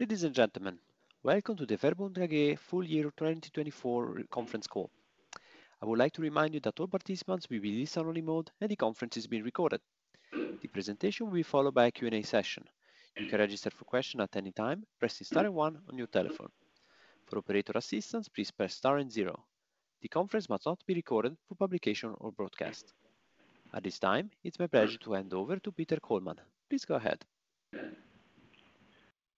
Ladies and gentlemen, welcome to the VERBUND AG Full Year 2024 Conference Call. I would like to remind you that all participants will be in this only mode, and the conference is being recorded. The presentation will be followed by a Q&A session. You can register for questions at any time, pressing star and one on your telephone. For operator assistance, please press star and zero. The conference must not be recorded for publication or broadcast. At this time, it's my pleasure to hand over to Peter Kollmann. Please go ahead.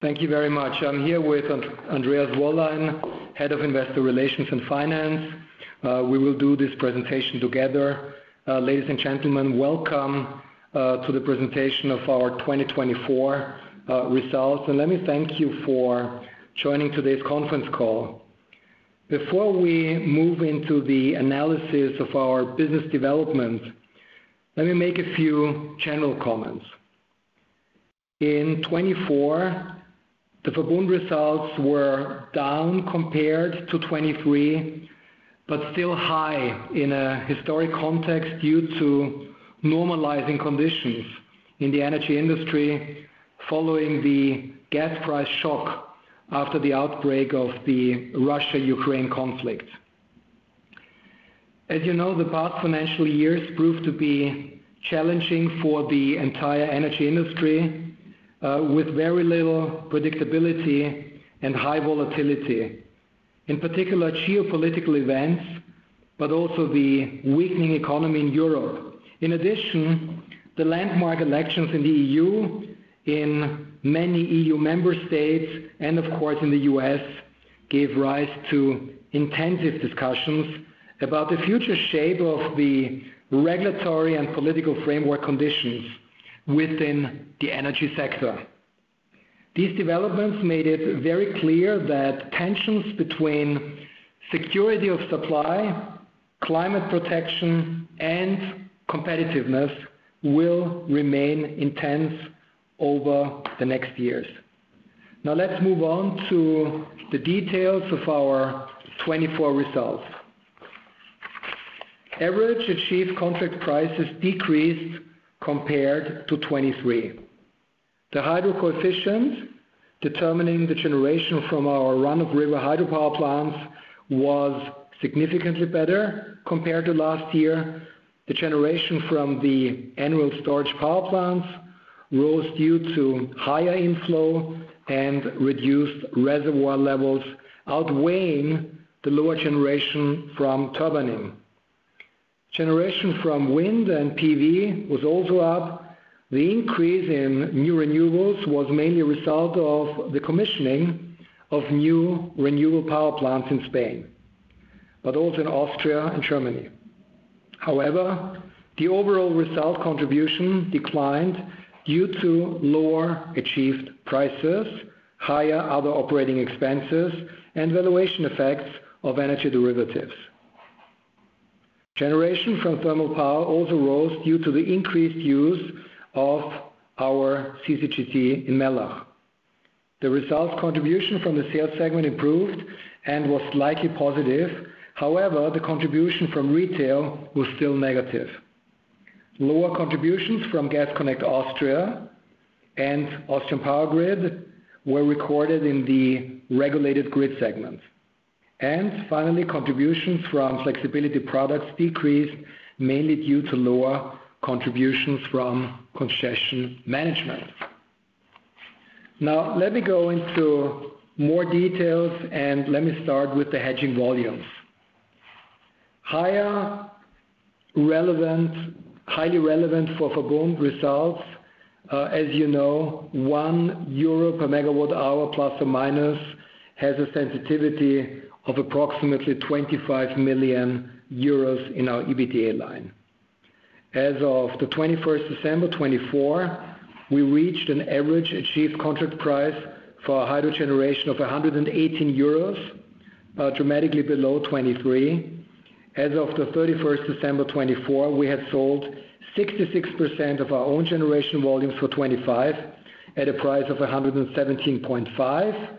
Thank you very much. I'm here with Andreas Wollein, Head of Investor Relations and Finance. We will do this presentation together. Ladies and gentlemen, welcome to the presentation of our 2024 results. Let me thank you for joining today's conference call. Before we move into the analysis of our business development, let me make a few general comments. In 2024, the VERBUND results were down compared to 2023, but still high in a historic context due to normalizing conditions in the energy industry following the gas price shock after the outbreak of the Russia-Ukraine conflict. As you know, the past financial years proved to be challenging for the entire energy industry, with very little predictability and high volatility, in particular geopolitical events, but also the weakening economy in Europe. In addition, the landmark elections in the EU, in many EU member states, and of course in the U.S., gave rise to intensive discussions about the future shape of the regulatory and political framework conditions within the energy sector. These developments made it very clear that tensions between security of supply, climate protection, and competitiveness will remain intense over the next years. Now, let's move on to the details of our 2024 results. Average achieved contract prices decreased compared to 2023. The hydro coefficient determining the generation from our run-of-river hydropower plants was significantly better compared to last year. The generation from the annual storage power plants rose due to higher inflow and reduced reservoir levels, outweighing the lower generation from turbining. Generation from wind and PV was also up. The increase in new renewables was mainly a result of the commissioning of new renewable power plants in Spain, but also in Austria and Germany. However, the overall result contribution declined due to lower achieved prices, higher other operating expenses, and valuation effects of energy derivatives. Generation from thermal power also rose due to the increased use of our CCGT in Mellach. The result contribution from the sales segment improved and was slightly positive. However, the contribution from retail was still negative. Lower contributions from Gasconnect Austria and Austrian Power Grid were recorded in the regulated grid segments. Finally, contributions from flexibility products decreased mainly due to lower contributions from concession management. Now, let me go into more details, and let me start with the hedging volumes. Higher relevance, highly relevant for VERBUND results. As you know, one euro per Megawatt-hour plus or minus has a sensitivity of approximately 25 million euros in our EBITDA line. As of the 21st of December 2024, we reached an average achieved contract price for hydro generation of 118 euros, dramatically below 2023. As of the 31st of December 2024, we had sold 66% of our own generation volumes for 2025 at a price of 117.5.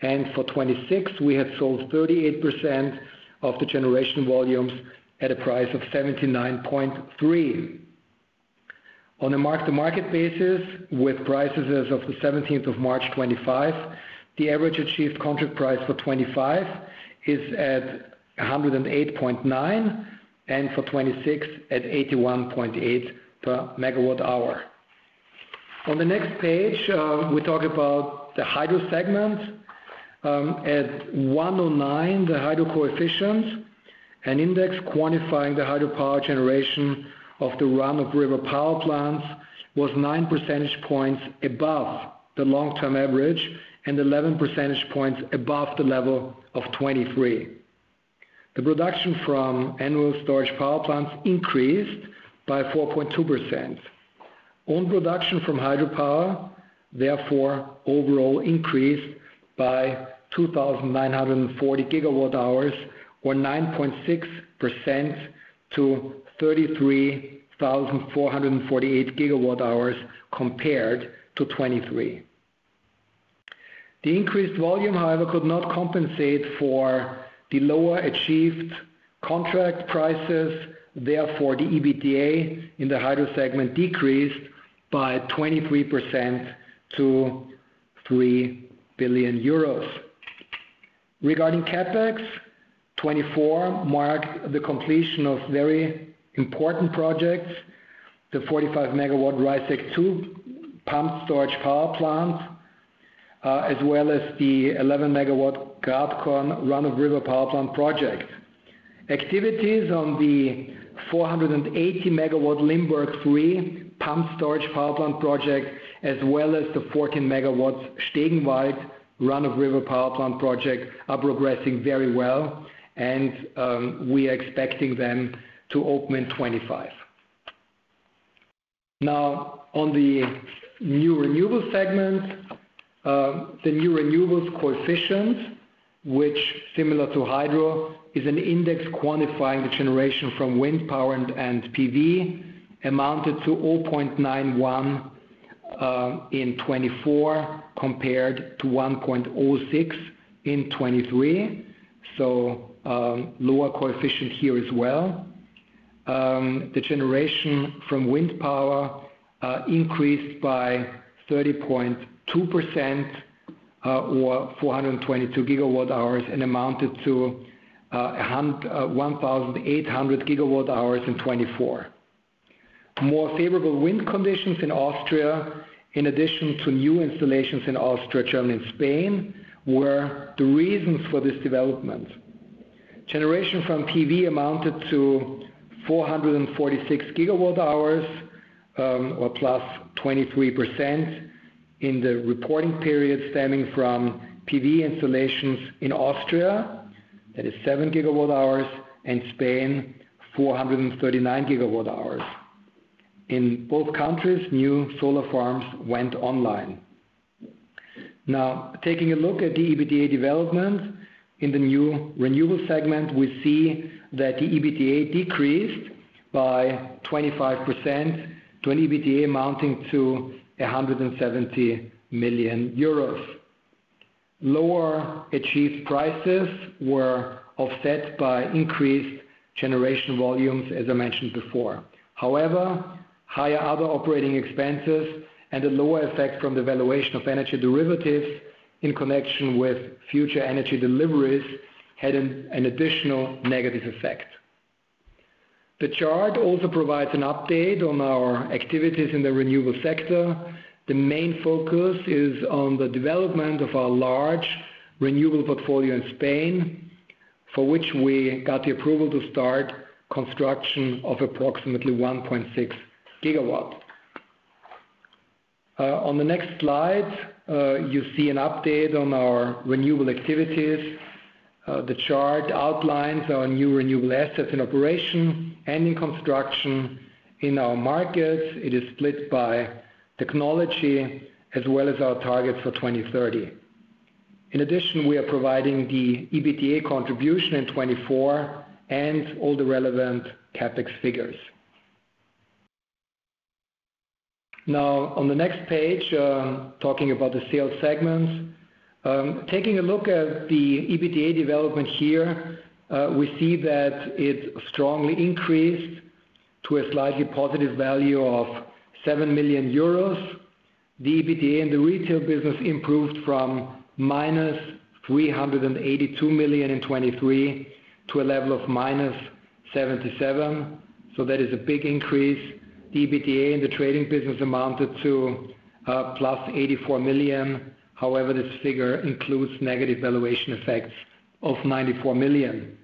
For 2026, we had sold 38% of the generation volumes at a price of 79.3. On a mark-to-market basis, with prices as of the 17th of March 2025, the average achieved contract price for 2025 is at 108.9, and for 2026 at 81.8 per Megawatt-hour. On the next page, we talk about the hydro segment. At 109, the hydro coefficient, an index quantifying the hydropower generation of the run-of-river power plants, was nine percentage points above the long-term average and 11 percentage points above the level of 2023. The production from annual storage power plants increased by 4.2%. On production from hydropower, therefore, overall increased by 2,940 GW hours, or 9.6% to 33,448 GW hours compared to 2023. The increased volume, however, could not compensate for the lower achieved contract prices. Therefore, the EBITDA in the hydro segment decreased by 23% to 3 billion euros. Regarding CAPEX, 2024 marked the completion of very important projects, the 45-Megawatt RISEC II pumped storage power plant, as well as the 11-Megawatt GARPCON run-of-river power plant project. Activities on the 480-Megawatt Limburg III pumped storage power plant project, as well as the 14-Megawatt Stegenwald run-of-river power plant project, are progressing very well, and we are expecting them to open in 2025. Now, on the new renewables segment, the new renewables coefficient, which, similar to hydro, is an index quantifying the generation from wind power and PV, amounted to 0.91 in 2024 compared to 1.06 in 2023. Lower coefficient here as well. The generation from wind power increased by 30.2%, or 422 GW hours, and amounted to 1,800 GW hours in 2024. More favorable wind conditions in Austria, in addition to new installations in Austria, Germany, and Spain, were the reasons for this development. Generation from PV amounted to 446 GW hours, or plus 23% in the reporting period stemming from PV installations in Austria, that is 7 GW hours, and Spain, 439 GW hours. In both countries, new solar farms went online. Now, taking a look at the EBITDA development in the new renewable segment, we see that the EBITDA decreased by 25% to an EBITDA amounting to 170 million euros. Lower achieved prices were offset by increased generation volumes, as I mentioned before. However, higher other operating expenses and a lower effect from the valuation of energy derivatives in connection with future energy deliveries had an additional negative effect. The chart also provides an update on our activities in the renewable sector. The main focus is on the development of our large renewable portfolio in Spain, for which we got the approval to start construction of approximately 1.6 GW. On the next slide, you see an update on our renewable activities. The chart outlines our new renewable assets in operation and in construction in our markets. It is split by technology, as well as our targets for 2030. In addition, we are providing the EBITDA contribution in 2024 and all the relevant CAPEX figures. Now, on the next page, talking about the sales segments, taking a look at the EBITDA development here, we see that it strongly increased to a slightly positive value of 7 million euros. The EBITDA in the retail business improved from minus 382 million in 2023 to a level of minus 77 million. That is a big increase. The EBITDA in the trading business amounted to plus 84 million. However, this figure includes negative valuation effects of 94 million.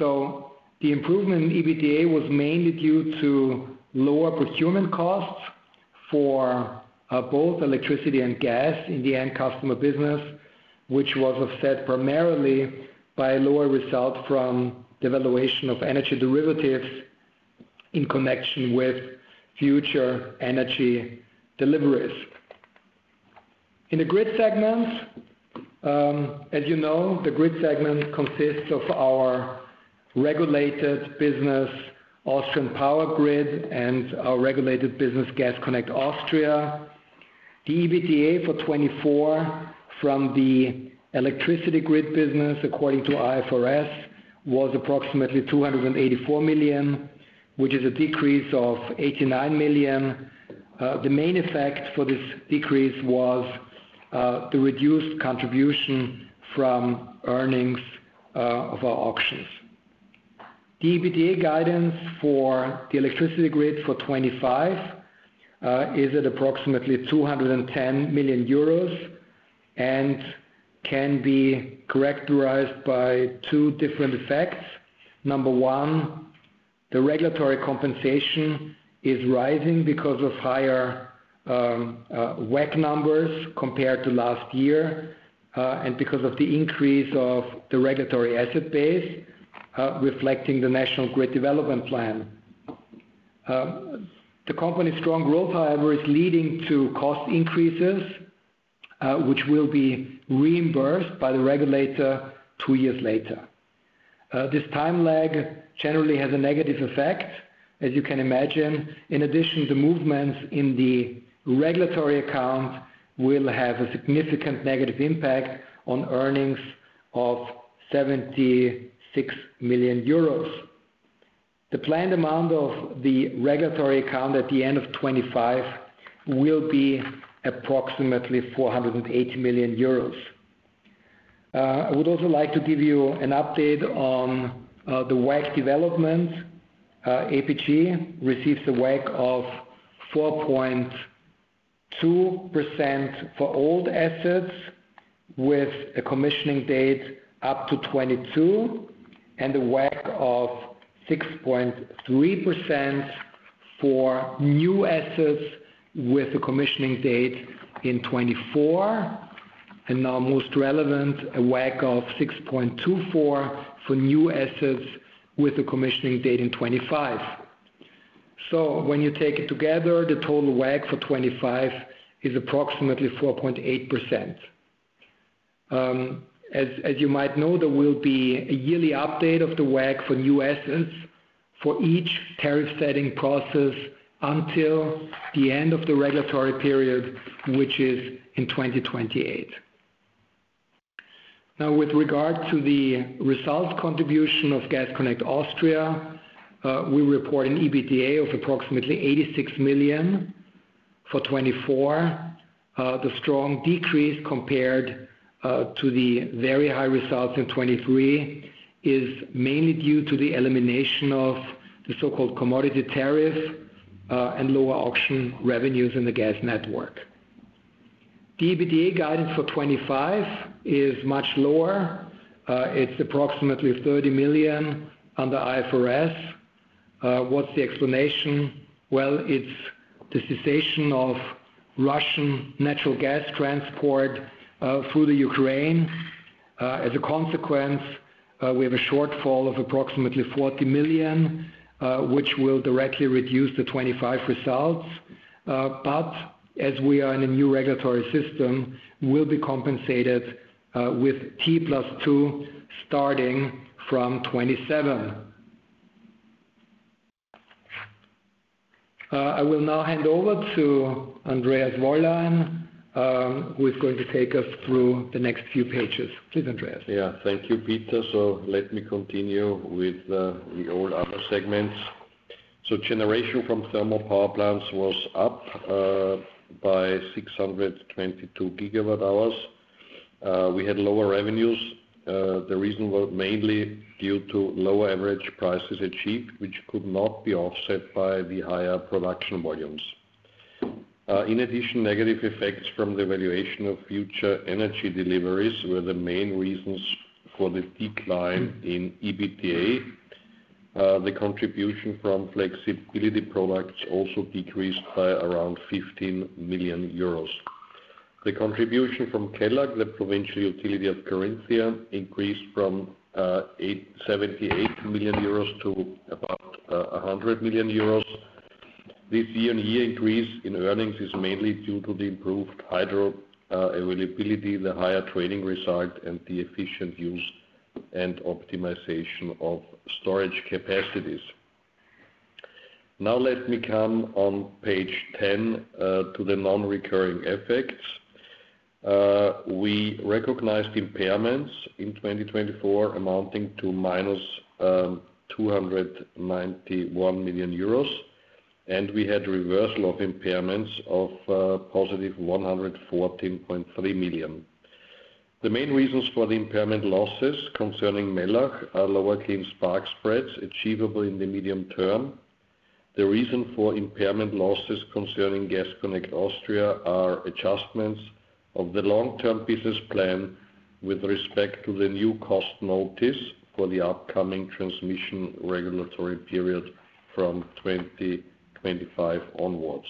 The improvement in EBITDA was mainly due to lower procurement costs for both electricity and gas in the end customer business, which was offset primarily by lower results from the valuation of energy derivatives in connection with future energy deliveries. In the grid segment, as you know, the grid segment consists of our regulated business, Austrian Power Grid, and our regulated business, Gasconnect Austria. The EBITDA for 2024 from the electricity grid business, according to IFRS, was approximately 284 million, which is a decrease of 89 million. The main effect for this decrease was the reduced contribution from earnings of our auctions. The EBITDA guidance for the electricity grid for 2025 is at approximately 210 million euros and can be characterized by two different effects. Number one, the regulatory compensation is rising because of higher WEC numbers compared to last year and because of the increase of the regulatory asset base reflecting the National Grid Development Plan. The company's strong growth, however, is leading to cost increases, which will be reimbursed by the regulator two years later. This time lag generally has a negative effect, as you can imagine. In addition, the movements in the regulatory account will have a significant negative impact on earnings of 76 million euros. The planned amount of the regulatory account at the end of 2025 will be approximately 480 million euros. I would also like to give you an update on the WEC development. Austrian Power Grid receives a WEC of 4.2% for old assets with a commissioning date up to 2022, and a WEC of 6.3% for new assets with a commissioning date in 2024. Most relevant, a WEC of 6.24% for new assets with a commissioning date in 2025. When you take it together, the total WEC for 2025 is approximately 4.8%. As you might know, there will be a yearly update of the WEC for new assets for each tariff-setting process until the end of the regulatory period, which is in 2028. Now, with regard to the results contribution of Gasconnect Austria, we report an EBITDA of approximately 86 million for 2024. The strong decrease compared to the very high results in 2023 is mainly due to the elimination of the so-called commodity tariff and lower auction revenues in the gas network. The EBITDA guidance for 2025 is much lower. It is approximately 30 million under IFRS. What is the explanation? Well, it is the cessation of Russian natural gas transport through the Ukraine. As a consequence, we have a shortfall of approximately 40 million, which will directly reduce the 2025 results. As we are in a new regulatory system, we will be compensated with T plus 2 starting from 2027. I will now hand over to Andreas Wollein, who is going to take us through the next few pages. Please, Andreas. Yeah, thank you, Peter. Let me continue with the old other segments. Generation from thermal power plants was up by 622 GW hours. We had lower revenues. The reason was mainly due to lower average prices achieved, which could not be offset by the higher production volumes. In addition, negative effects from the valuation of future energy deliveries were the main reasons for the decline in EBITDA. The contribution from flexibility products also decreased by around 15 million euros. The contribution from KELAG, the provincial utility of Carinthia, increased from 78 million euros to about 100 million euros. This year-on-year increase in earnings is mainly due to the improved hydro availability, the higher trading result, and the efficient use and optimization of storage capacities. Now, let me come on page 10 to the non-recurring effects. We recognized impairments in 2024 amounting to minus 291 million euros, and we had reversal of impairments of positive 114.3 million. The main reasons for the impairment losses concerning Mellach are lower clean spark spreads achievable in the medium term. The reason for impairment losses concerning Gasconnect Austria are adjustments of the long-term business plan with respect to the new cost notice for the upcoming transmission regulatory period from 2025 onwards.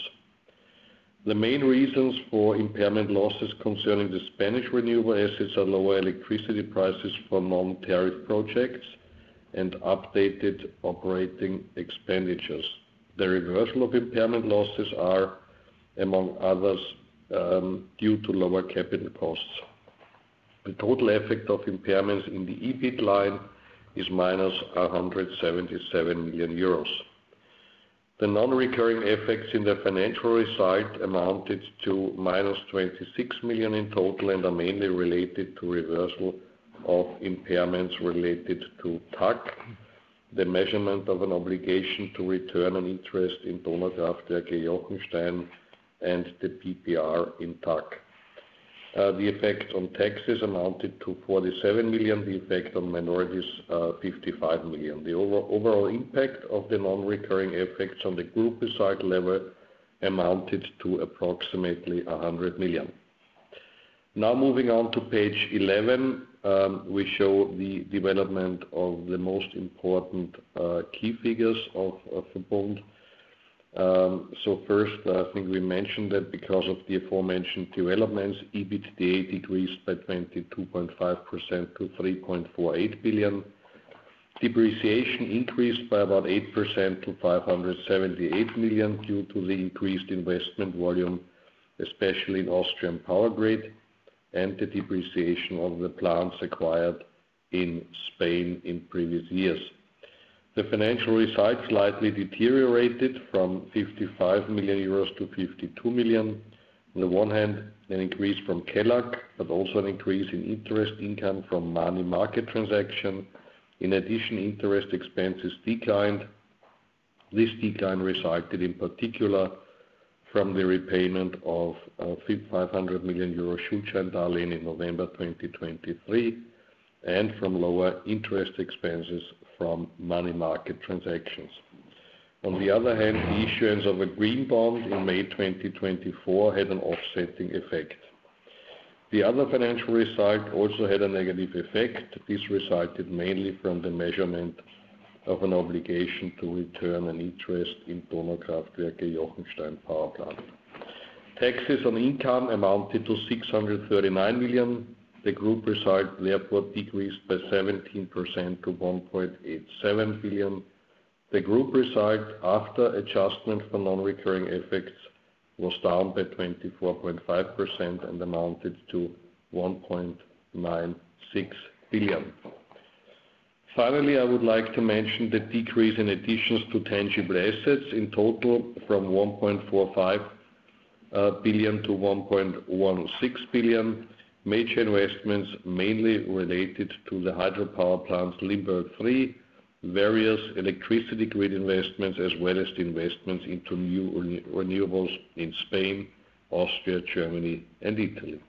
The main reasons for impairment losses concerning the Spanish renewable assets are lower electricity prices for non-tariff projects and updated operating expenditures. The reversal of impairment losses are, among others, due to lower capital costs. The total effect of impairments in the EBIT line is minus 177 million euros. The non-recurring effects in the financial result amounted to minus 26 million in total and are mainly related to reversal of impairments related to TAC, the measurement of an obligation to return an interest in Donaukraftwerk Jochenstein, and the PPR in TAC. The effect on taxes amounted to 47 million. The effect on minorities, 55 million. The overall impact of the non-recurring effects on the group result level amounted to approximately 100 million. Now, moving on to page 11, we show the development of the most important key figures of VERBUND. First, I think we mentioned that because of the aforementioned developments, EBITDA decreased by 22.5% to 3.48 billion. Depreciation increased by about 8% to 578 million due to the increased investment volume, especially in Austrian Power Grid, and the depreciation of the plants acquired in Spain in previous years. The financial result slightly deteriorated from 55 million euros to 52 million. On the one hand, an increase from KELAG, but also an increase in interest income from money market transaction. In addition, interest expenses declined. This decline resulted in particular from the repayment of 500 million euro Schutzschein-Darlehen in November 2023 and from lower interest expenses from money market transactions. On the other hand, the issuance of a green bond in May 2024 had an offsetting effect. The other financial result also had a negative effect. This resulted mainly from the measurement of an obligation to return an interest in Donner Kraftwerk in Jochenstein power plant. Taxes on income amounted to 639 million. The group result therefore decreased by 17% to 1.87 billion. The group result after adjustment for non-recurring effects was down by 24.5% and amounted to 1.96 billion. Finally, I would like to mention the decrease in additions to tangible assets in total from 1.45 billion to 1.16 billion. Major investments mainly related to the hydropower plants, Limburg III, various electricity grid investments, as well as the investments into new renewables in Spain, Austria, Germany, and Italy.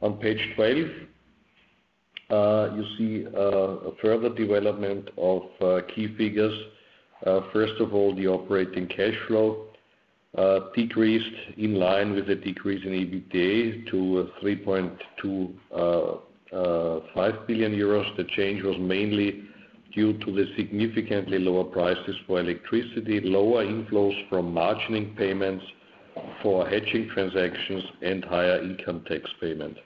On page 12, you see a further development of key figures. First of all, the operating cash flow decreased in line with the decrease in EBITDA to 3.25 billion euros. The change was mainly due to the significantly lower prices for electricity, lower inflows from margin payments for hedging transactions, and higher income tax payment.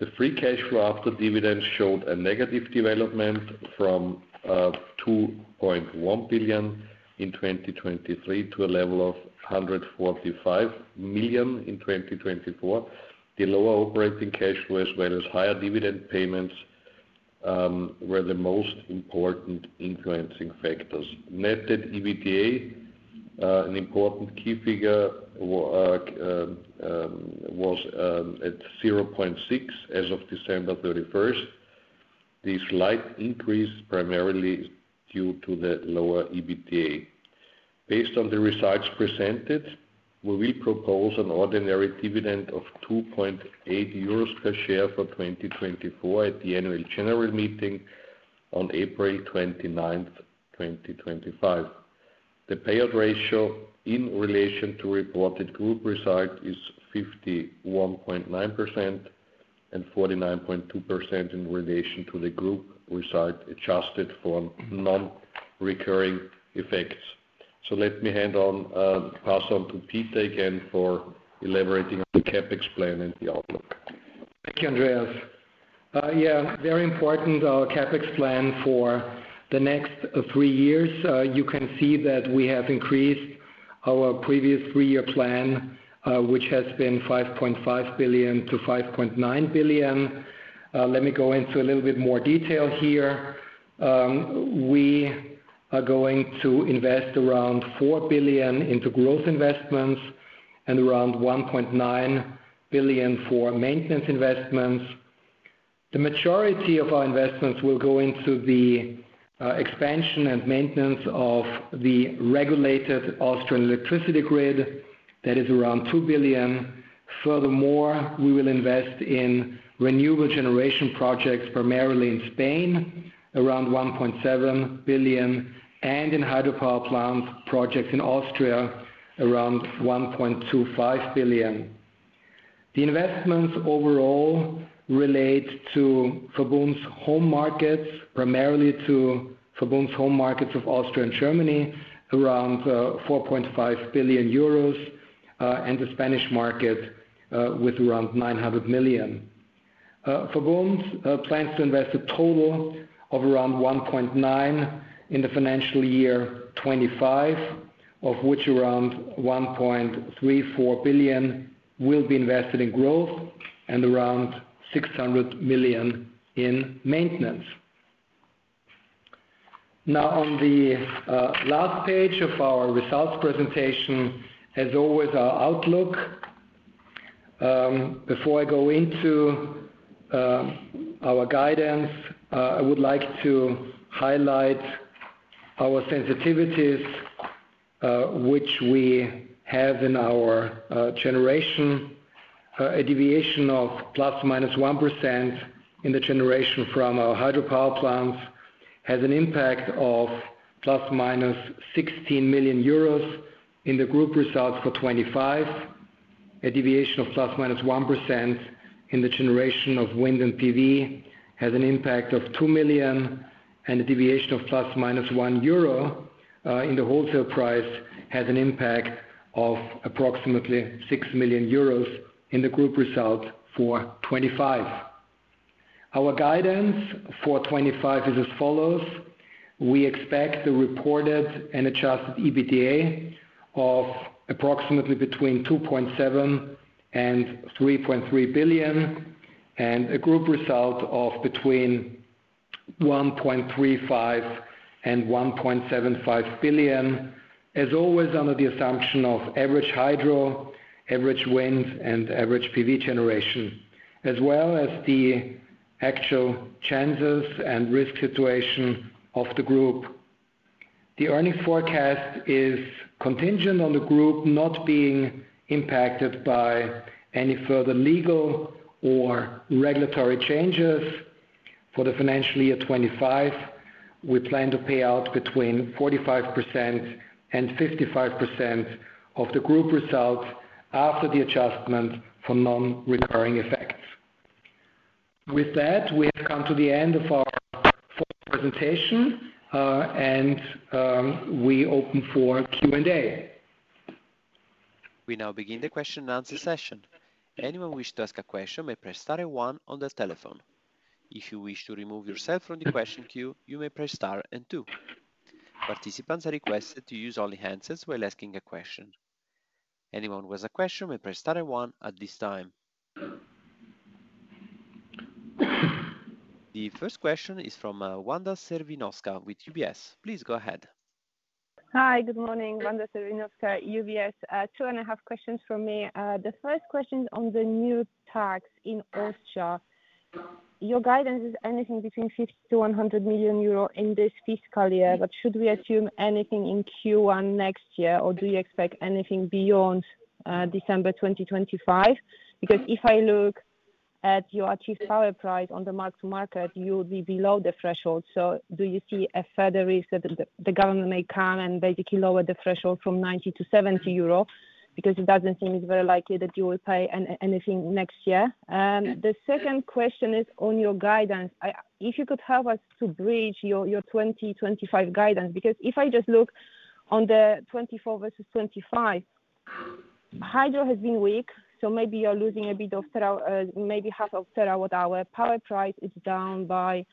The free cash flow after dividends showed a negative development from 2.1 billion in 2023 to a level of 145 million in 2024. The lower operating cash flow, as well as higher dividend payments, were the most important influencing factors. Net EBITDA, an important key figure, was at 0.6 billion as of December 31st. This slight increase primarily is due to the lower EBITDA. Based on the results presented, we will propose an ordinary dividend of 2.8 euros per share for 2024 at the annual general meeting on April 29th, 2025. The payout ratio in relation to reported group result is 51.9% and 49.2% in relation to the group result adjusted for non-recurring effects. Let me hand on, pass on to Peter again for elaborating on the CapEx plan and the outlook. Thank you, Andreas. Yeah, very important CapEx plan for the next three years. You can see that we have increased our previous three-year plan, which has been 5.5 billion to 5.9 billion. Let me go into a little bit more detail here. We are going to invest around 4 billion into growth investments and around 1.9 billion for maintenance investments. The majority of our investments will go into the expansion and maintenance of the regulated Austrian electricity grid. That is around 2 billion. Furthermore, we will invest in renewable generation projects primarily in Spain, around 1.7 billion, and in hydropower plant projects in Austria, around 1.25 billion. The investments overall relate to VERBUND's home markets, primarily to VERBUND's home markets of Austria and Germany, around 4.5 billion euros, and the Spanish market with around 900 million. VERBUND plans to invest a total of around 1.9 billion in the financial year 2025, of which around 1.34 billion will be invested in growth and around 600 million in maintenance. Now, on the last page of our results presentation, as always, our outlook. Before I go into our guidance, I would like to highlight our sensitivities, which we have in our generation. A deviation of plus or minus 1% in the generation from our hydropower plants has an impact of plus or minus 16 million euros in the group results for 2025. A deviation of plus or minus 1% in the generation of wind and PV has an impact of 2 million, and a deviation of plus or minus 1 euro in the wholesale price has an impact of approximately 6 million euros in the group result for 2025. Our guidance for 2025 is as follows. We expect the reported and adjusted EBITDA of approximately between 2.7 billion and 3.3 billion and a group result of between 1.35 billion and 1.75 billion, as always, under the assumption of average hydro, average wind, and average PV generation, as well as the actual chances and risk situation of the group. The earnings forecast is contingent on the group not being impacted by any further legal or regulatory changes. For the financial year 2025, we plan to pay out between 45% and 55% of the group result after the adjustment for non-recurring effects. With that, we have come to the end of our full presentation, and we open for Q&A. We now begin the question and answer session. Anyone who wishes to ask a question may press star and one on the telephone. If you wish to remove yourself from the question queue, you may press star and two. Participants are requested to use only handsets while asking a question. Anyone who has a question may press star and one at this time. The first question is from Wanda Serwinowska with UBS. Please go ahead. Hi, good morning, Wanda Serwinowska, UBS. Two and a half questions for me. The first question is on the new tax in Austria. Your guidance is anything between 50 million-100 million euro in this fiscal year, but should we assume anything in Q1 next year, or do you expect anything beyond December 2025? Because if I look at your achieved power price on the mark-to-market, you would be below the threshold. Do you see a further risk that the government may come and basically lower the threshold from 90 to 70 euro? It does not seem very likely that you will pay anything next year. The second question is on your guidance. If you could help us to bridge your 2025 guidance, because if I just look on the 2024 versus 2025, hydro has been weak, so maybe you are losing a bit of, maybe half of a terawatt-hour. Power price is down by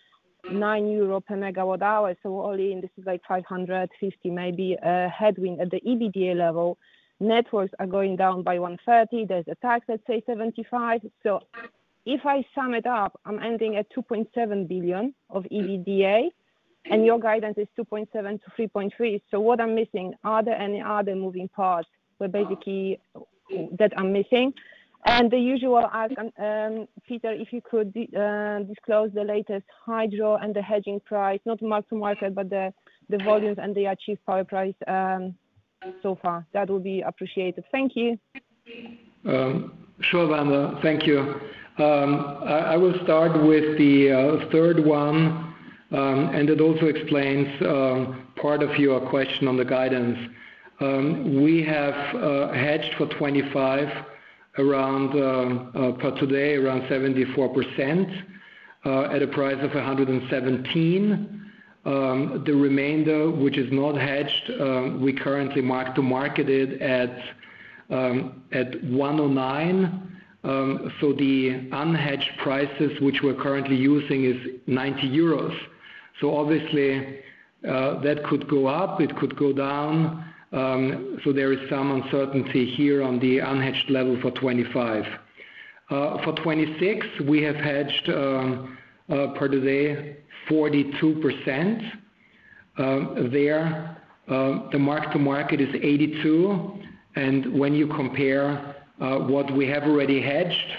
9 euro per Megawatt-hour. All in, this is like 550 maybe headwind at the EBITDA level. Networks are going down by 130. There is a tax, let's say, 75. If I sum it up, I am ending at 2.7 billion of EBITDA, and your guidance is 2.7 billion-3.3 billion. What I am missing, are there any other moving parts that I am missing? The usual ask, Peter, if you could disclose the latest hydro and the hedging price, not mark-to-market, but the volumes and the achieved power price so far. That would be appreciated. Thank you. Sure, Wanda. Thank you. I will start with the third one, and it also explains part of your question on the guidance. We have hedged for 2025, per today, around 74% at a price of 117. The remainder, which is not hedged, we currently mark-to-market it at 109. The unhedged prices, which we're currently using, is 90 euros. Obviously, that could go up. It could go down. There is some uncertainty here on the unhedged level for 2025. For 2026, we have hedged per today 42%. There, the mark-to-market is 82. When you compare what we have already hedged,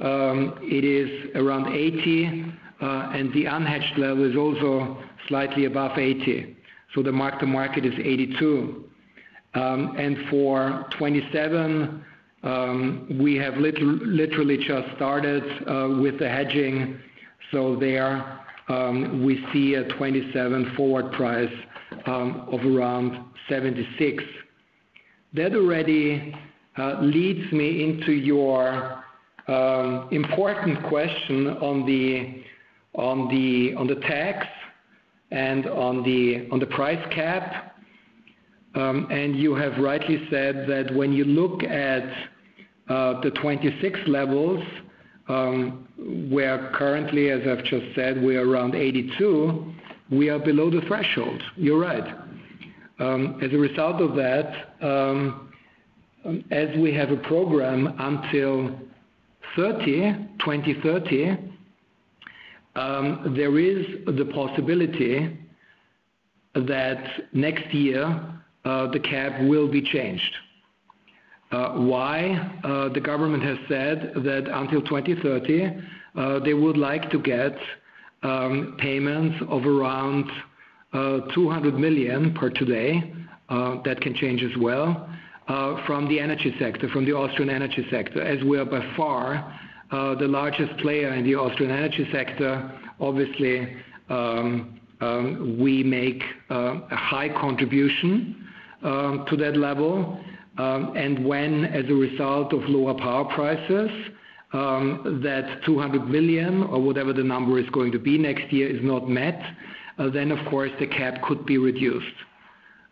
it is around 80, and the unhedged level is also slightly above 80. The mark-to-market is 82. For 2027, we have literally just started with the hedging. There, we see a 2027 forward price of around 76. That already leads me into your important question on the tax and on the price cap. You have rightly said that when you look at the 2026 levels, where currently, as I've just said, we are around 82, we are below the threshold. You're right. As a result of that, as we have a program until 2030, there is the possibility that next year the cap will be changed. Why? The government has said that until 2030, they would like to get payments of around 200 million per today. That can change as well from the energy sector, from the Austrian energy sector, as we are by far the largest player in the Austrian energy sector. Obviously, we make a high contribution to that level. When, as a result of lower power prices, that 200 million or whatever the number is going to be next year is not met, the cap could be reduced.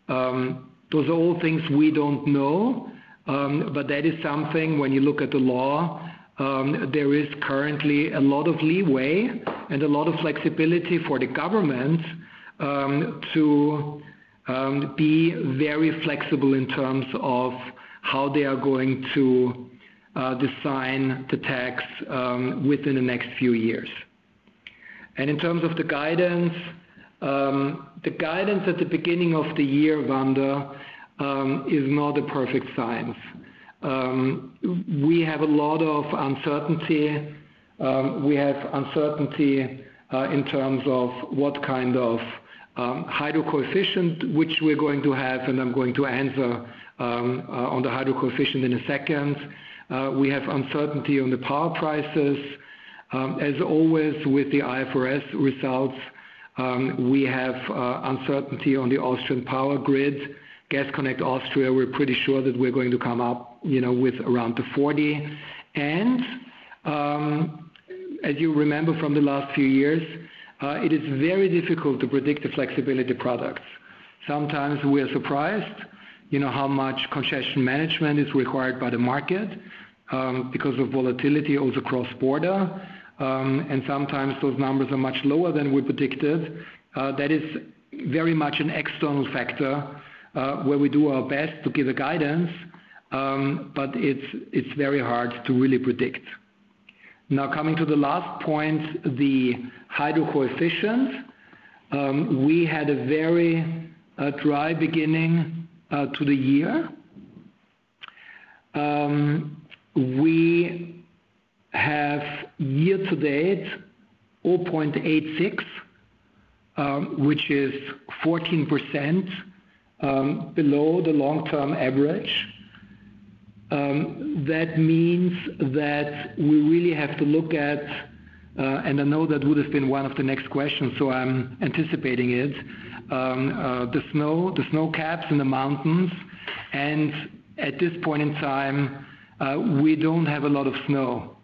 Those are all things we do not know, but that is something when you look at the law, there is currently a lot of leeway and a lot of flexibility for the government to be very flexible in terms of how they are going to design the tax within the next few years. In terms of the guidance, the guidance at the beginning of the year, Wanda, is not a perfect science. We have a lot of uncertainty. We have uncertainty in terms of what kind of hydro coefficient, which we are going to have, and I am going to answer on the hydro coefficient in a second. We have uncertainty on the power prices. As always, with the IFRS results, we have uncertainty on the Austrian Power Grid. Gasconnect Austria, we are pretty sure that we are going to come up with around the 40. As you remember from the last few years, it is very difficult to predict the flexibility products. Sometimes we are surprised how much concession management is required by the market because of volatility across borders. Sometimes those numbers are much lower than we predicted. That is very much an external factor where we do our best to give a guidance, but it is very hard to really predict. Now, coming to the last point, the hydro coefficient, we had a very dry beginning to the year. We have, year-to-date, 0.86, which is 14% below the long-term average. That means that we really have to look at, and I know that would have been one of the next questions, so I am anticipating it, the snow caps in the mountains. At this point in time, we do not have a lot of snow.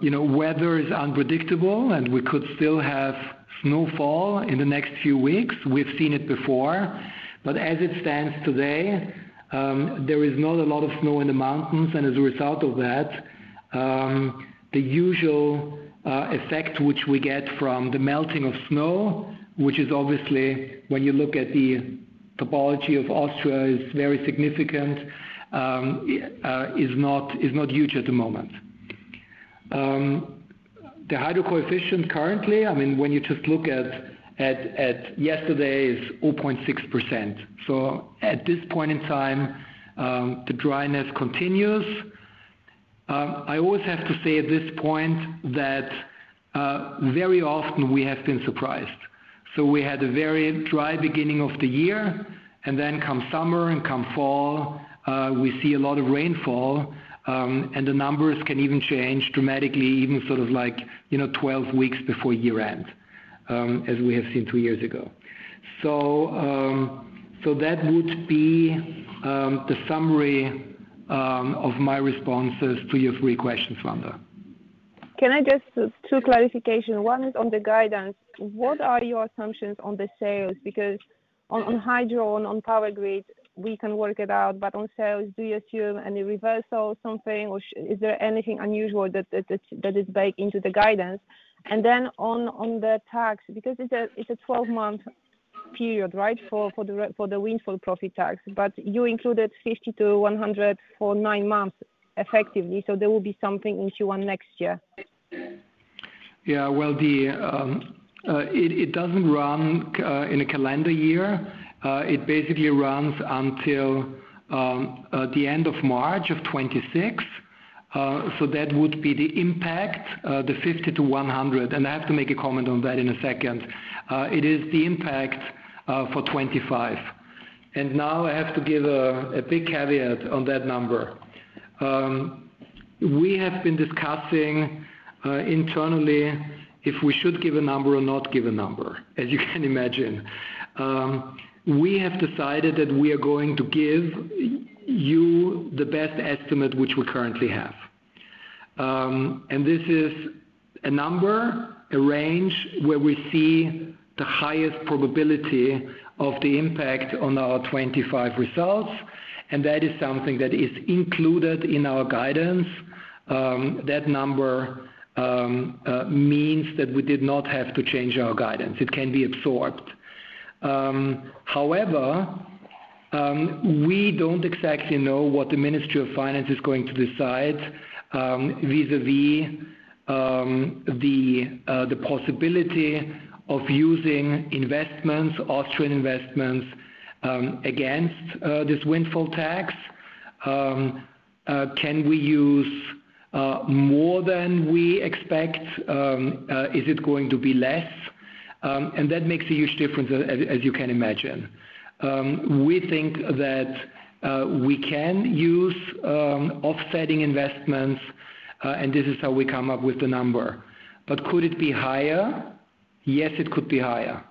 Weather is unpredictable, and we could still have snowfall in the next few weeks. We've seen it before. As it stands today, there is not a lot of snow in the mountains. As a result of that, the usual effect which we get from the melting of snow, which is obviously, when you look at the topology of Austria, is very significant, is not huge at the moment. The hydro coefficient currently, I mean, when you just look at yesterday, is 0.6%. At this point in time, the dryness continues. I always have to say at this point that very often we have been surprised. We had a very dry beginning of the year, and then come summer and come fall, we see a lot of rainfall, and the numbers can even change dramatically, even sort of like 12 weeks before year-end, as we have seen two years ago. That would be the summary of my responses to your three questions, Wanda. Can I just have two clarifications? One is on the guidance. What are your assumptions on the sales? Because on hydro and on power grid, we can work it out, but on sales, do you assume any reversal or something, or is there anything unusual that is baked into the guidance? On the tax, because it is a 12-month period, right, for the windfall profit tax, but you included 50-100 million for nine months effectively, so there will be something in Q1 next year. Yeah, it does not run in a calendar year. It basically runs until the end of March of 2026. That would be the impact, the 50-100. I have to make a comment on that in a second. It is the impact for 2025. I have to give a big caveat on that number. We have been discussing internally if we should give a number or not give a number, as you can imagine. We have decided that we are going to give you the best estimate which we currently have. This is a number, a range where we see the highest probability of the impact on our 2025 results. That is something that is included in our guidance. That number means that we did not have to change our guidance. It can be absorbed. However, we do not exactly know what the Ministry of Finance is going to decide vis-à-vis the possibility of using investments, Austrian investments, against this windfall tax. Can we use more than we expect? Is it going to be less? That makes a huge difference, as you can imagine. We think that we can use offsetting investments, and this is how we come up with the number. Could it be higher? Yes, it could be higher.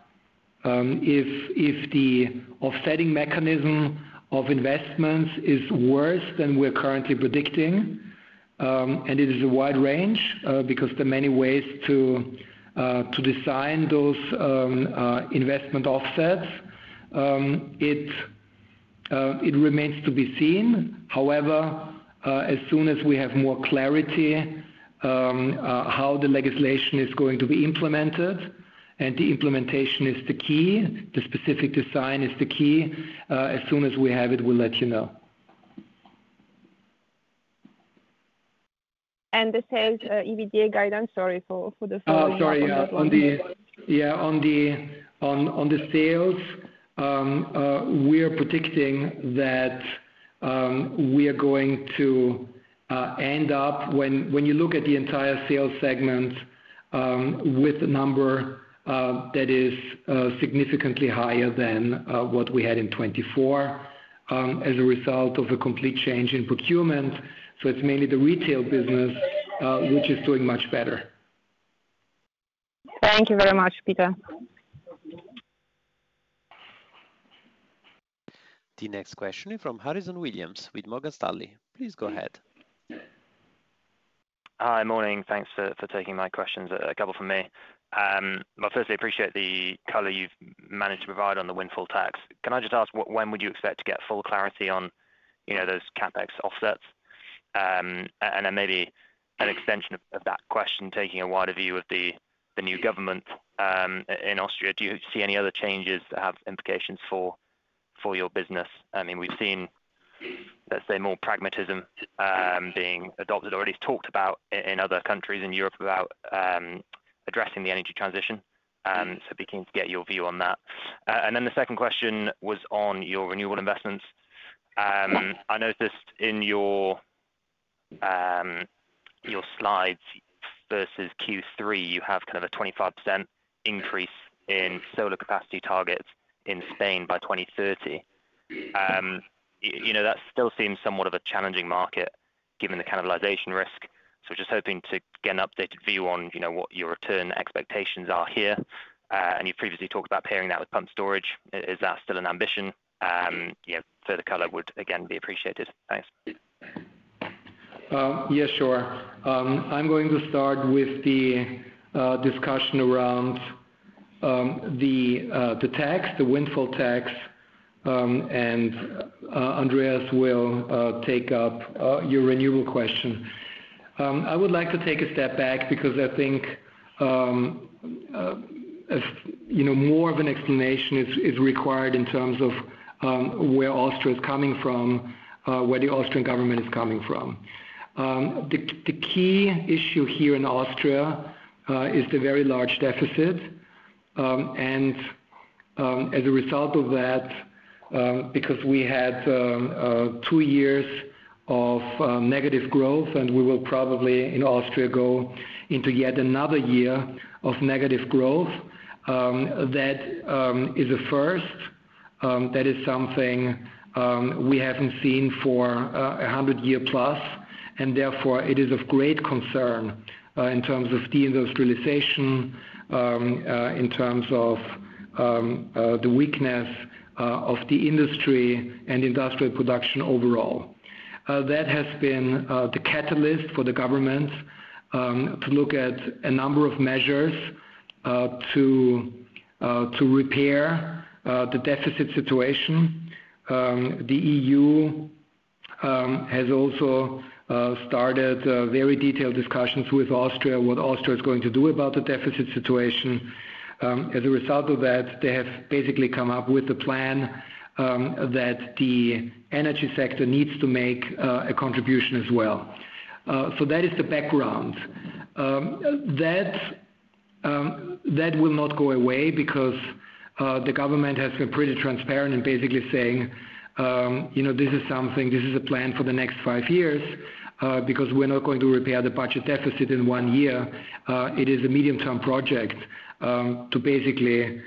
If the offsetting mechanism of investments is worse than we are currently predicting, and it is a wide range because there are many ways to design those investment offsets, it remains to be seen. However, as soon as we have more clarity on how the legislation is going to be implemented, and the implementation is the key, the specific design is the key, as soon as we have it, we will let you know. The sales EBITDA guidance, sorry, for the sales. Oh, sorry. Yeah, on the sales, we're predicting that we are going to end up, when you look at the entire sales segment, with a number that is significantly higher than what we had in 2024 as a result of a complete change in procurement. It is mainly the retail business which is doing much better. Thank you very much, Peter. The next question is from Harrison Williams with Morgan Stanley. Please go ahead. Hi, morning. Thanks for taking my questions. A couple for me. Firstly, I appreciate the color you have managed to provide on the windfall tax. Can I just ask, when would you expect to get full clarity on those CapEx offsets? Maybe an extension of that question, taking a wider view of the new government in Austria. Do you see any other changes that have implications for your business? I mean, we've seen, let's say, more pragmatism being adopted or at least talked about in other countries in Europe about addressing the energy transition. We can get your view on that. The second question was on your renewable investments. I noticed in your slides versus Q3, you have kind of a 25% increase in solar capacity targets in Spain by 2030. That still seems somewhat of a challenging market given the cannibalization risk. We are just hoping to get an updated view on what your return expectations are here. You have previously talked about pairing that with pump storage. Is that still an ambition? Further color would, again, be appreciated. Thanks. Yeah, sure. I'm going to start with the discussion around the tax, the windfall tax, and Andreas will take up your renewable question. I would like to take a step back because I think more of an explanation is required in terms of where Austria is coming from, where the Austrian government is coming from. The key issue here in Austria is the very large deficit. As a result of that, because we had two years of negative growth, and we will probably in Austria go into yet another year of negative growth, that is a first. That is something we haven't seen for 100 years plus. Therefore, it is of great concern in terms of deindustrialization, in terms of the weakness of the industry and industrial production overall. That has been the catalyst for the government to look at a number of measures to repair the deficit situation. The EU has also started very detailed discussions with Austria on what Austria is going to do about the deficit situation. As a result of that, they have basically come up with a plan that the energy sector needs to make a contribution as well. That is the background. That will not go away because the government has been pretty transparent in basically saying, "This is something, this is a plan for the next five years because we're not going to repair the budget deficit in one year. It is a medium-term project to basically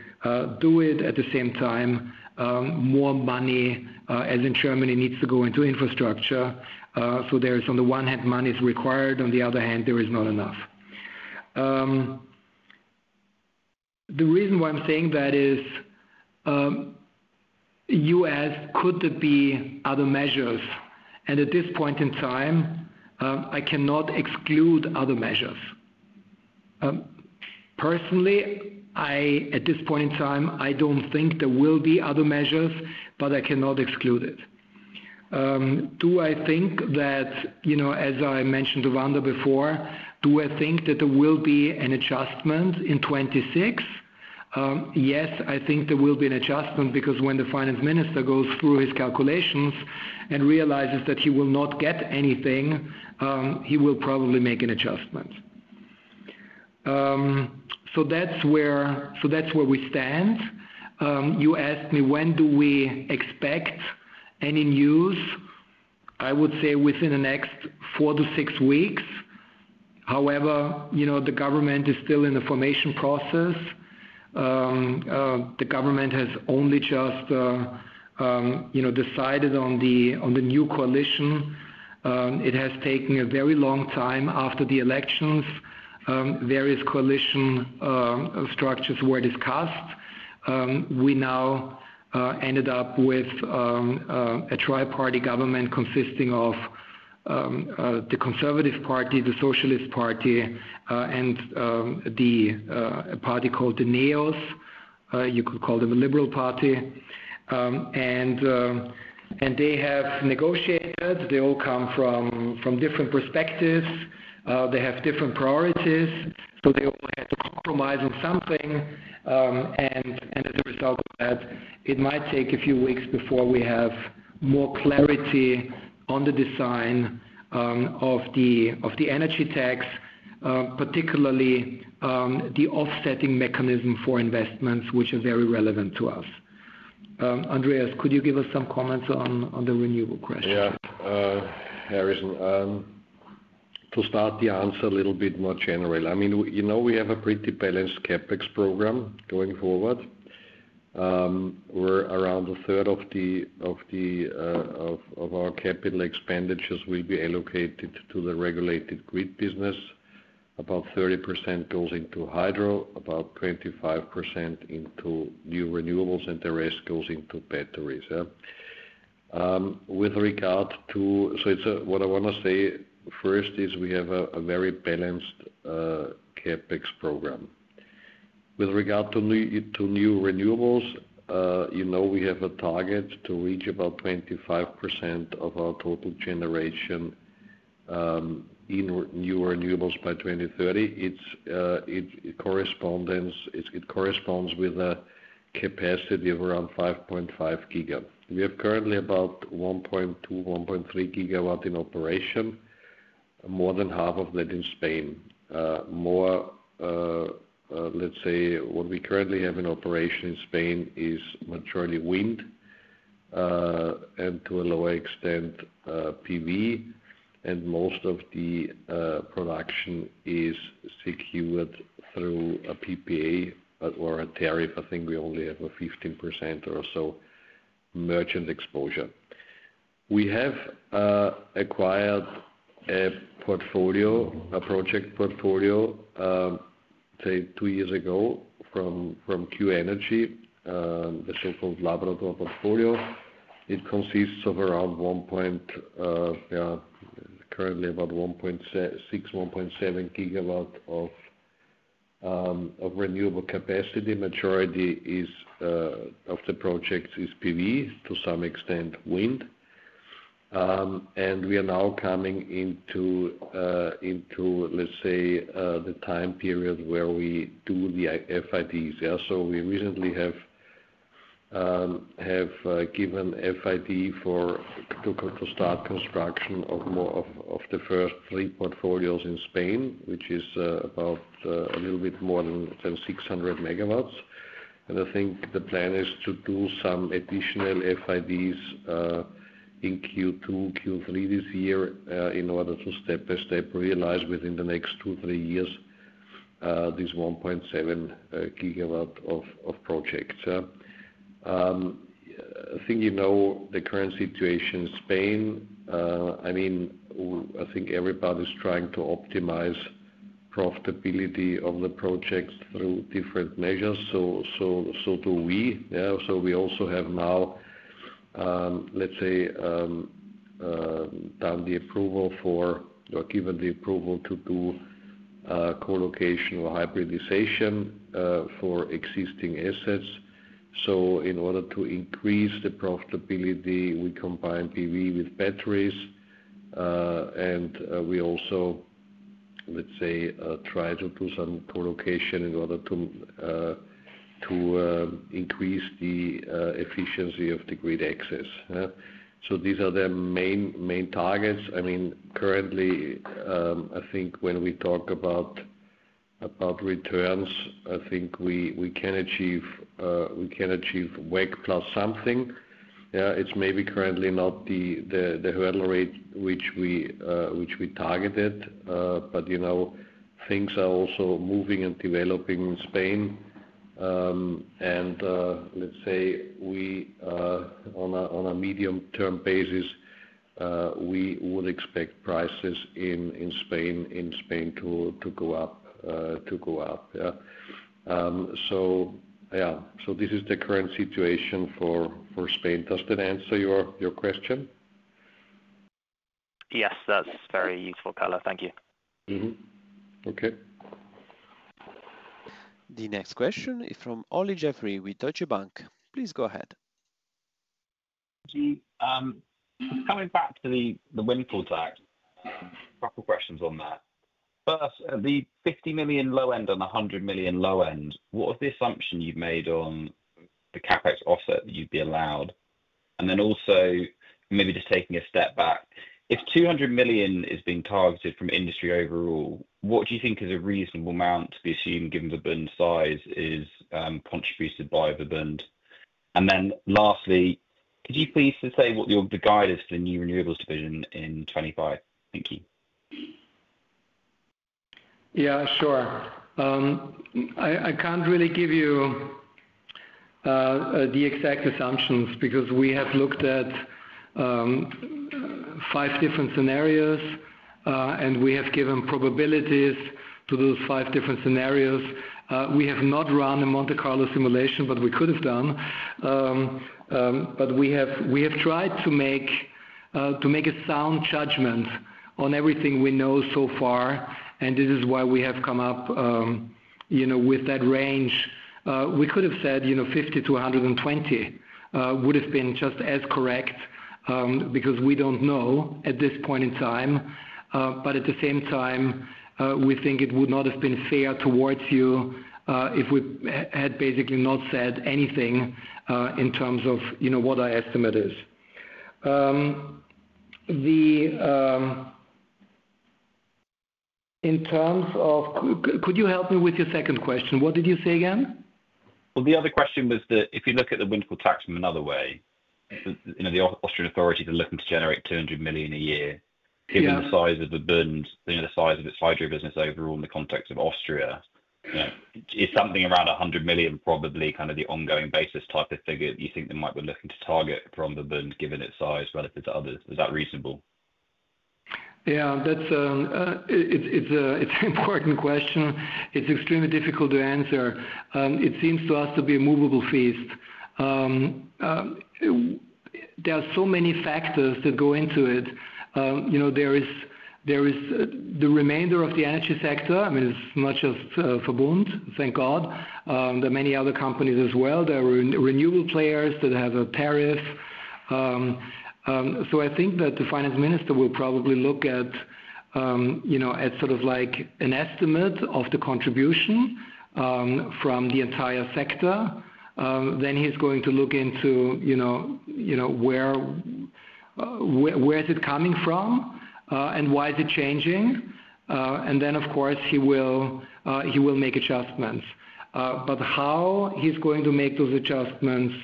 do it at the same time. More money, as in Germany, needs to go into infrastructure." There is, on the one hand, money required. On the other hand, there is not enough. The reason why I'm saying that is, you asked, could there be other measures? At this point in time, I cannot exclude other measures. Personally, at this point in time, I do not think there will be other measures, but I cannot exclude it. Do I think that, as I mentioned to Wanda before, do I think that there will be an adjustment in 2026? Yes, I think there will be an adjustment because when the finance minister goes through his calculations and realizes that he will not get anything, he will probably make an adjustment. That is where we stand. You asked me, when do we expect any news? I would say within the next four to six weeks. However, the government is still in the formation process. The government has only just decided on the new coalition. It has taken a very long time after the elections. Various coalition structures were discussed. We now ended up with a tri-party government consisting of the Conservative Party, the Socialist Party, and the party called the NEOS. You could call them a liberal party. They have negotiated. They all come from different perspectives. They have different priorities. They all had to compromise on something. As a result of that, it might take a few weeks before we have more clarity on the design of the energy tax, particularly the offsetting mechanism for investments, which are very relevant to us. Andreas, could you give us some comments on the renewable question? Yeah, Harrison, to start, the answer a little bit more generally. I mean, we have a pretty balanced CapEx program going forward. We're around a third of our capital expenditures will be allocated to the regulated grid business. About 30% goes into hydro, about 25% into new renewables, and the rest goes into batteries. With regard to, what I want to say first is we have a very balanced CapEx program. With regard to new renewables, we have a target to reach about 25% of our total generation in new renewables by 2030. It corresponds with a capacity of around 5.5 GW. We have currently about 1.2, 1.3 GW in operation, more than half of that in Spain. What we currently have in operation in Spain is majority wind and to a lower extent PV. Most of the production is secured through a PPA or a tariff. I think we only have a 15% or so merchant exposure. We have acquired a project portfolio, say, two years ago from Q Energy, the so-called Labrador portfolio. It consists of around, yeah, currently about 1.6, 1.7 GW of renewable capacity. Majority of the projects is PV, to some extent wind. We are now coming into, let's say, the time period where we do the FIDs. We recently have given FID to start construction of the first three portfolios in Spain, which is about a little bit more than 600 Megawatts. I think the plan is to do some additional FIDs in Q2, Q3 this year in order to step by step realize within the next two, three years this 1.7 GW of projects. I think you know the current situation in Spain. I mean, I think everybody's trying to optimize profitability of the projects through different measures. We also have now, let's say, done the approval for or given the approval to do colocation or hybridization for existing assets. In order to increase the profitability, we combine PV with batteries. We also, let's say, try to do some colocation in order to increase the efficiency of the grid access. These are the main targets. I mean, currently, I think when we talk about returns, I think we can achieve WEC plus something. It's maybe currently not the hurdle rate which we targeted, but things are also moving and developing in Spain. Let's say, on a medium-term basis, we would expect prices in Spain to go up. This is the current situation for Spain. Does that answer your question? Yes, that's very useful, Kollo. Thank you. Okay. The next question is from Olly Jeffery with Deutsche Bank. Please go ahead. Coming back to the windfall tax, a couple of questions on that. First, the 50 million low end and 100 million low end, what was the assumption you've made on the CapEx offset that you'd be allowed? Also, maybe just taking a step back, if 200 million is being targeted from industry overall, what do you think is a reasonable amount to be assumed given the bund size is contributed by the bund? Lastly, could you please say what the guide is for the new renewables division in 2025? Thank you. Yeah, sure. I can't really give you the exact assumptions because we have looked at five different scenarios, and we have given probabilities to those five different scenarios. We have not run a Monte Carlo simulation, but we could have done. We have tried to make a sound judgment on everything we know so far, and this is why we have come up with that range. We could have said 50-120 would have been just as correct because we do not know at this point in time. At the same time, we think it would not have been fair towards you if we had basically not said anything in terms of what our estimate is. In terms of, could you help me with your second question? What did you say again? The other question was that if you look at the windfall tax from another way, the Austrian authorities are looking to generate 200 million a year. Given the size of VERBUND, the size of its hydro business overall in the context of Austria, is something around 100 million probably kind of the ongoing basis type of figure that you think they might be looking to target from VERBUND given its size relative to others? Is that reasonable? Yeah, it's an important question. It's extremely difficult to answer. It seems to us to be a movable feast. There are so many factors that go into it. There is the remainder of the energy sector. I mean, it's not just VERBUND, thank God. There are many other companies as well. There are renewable players that have a tariff. I think that the finance minister will probably look at sort of like an estimate of the contribution from the entire sector. Then he's going to look into where is it coming from and why is it changing. Of course, he will make adjustments. How he's going to make those adjustments,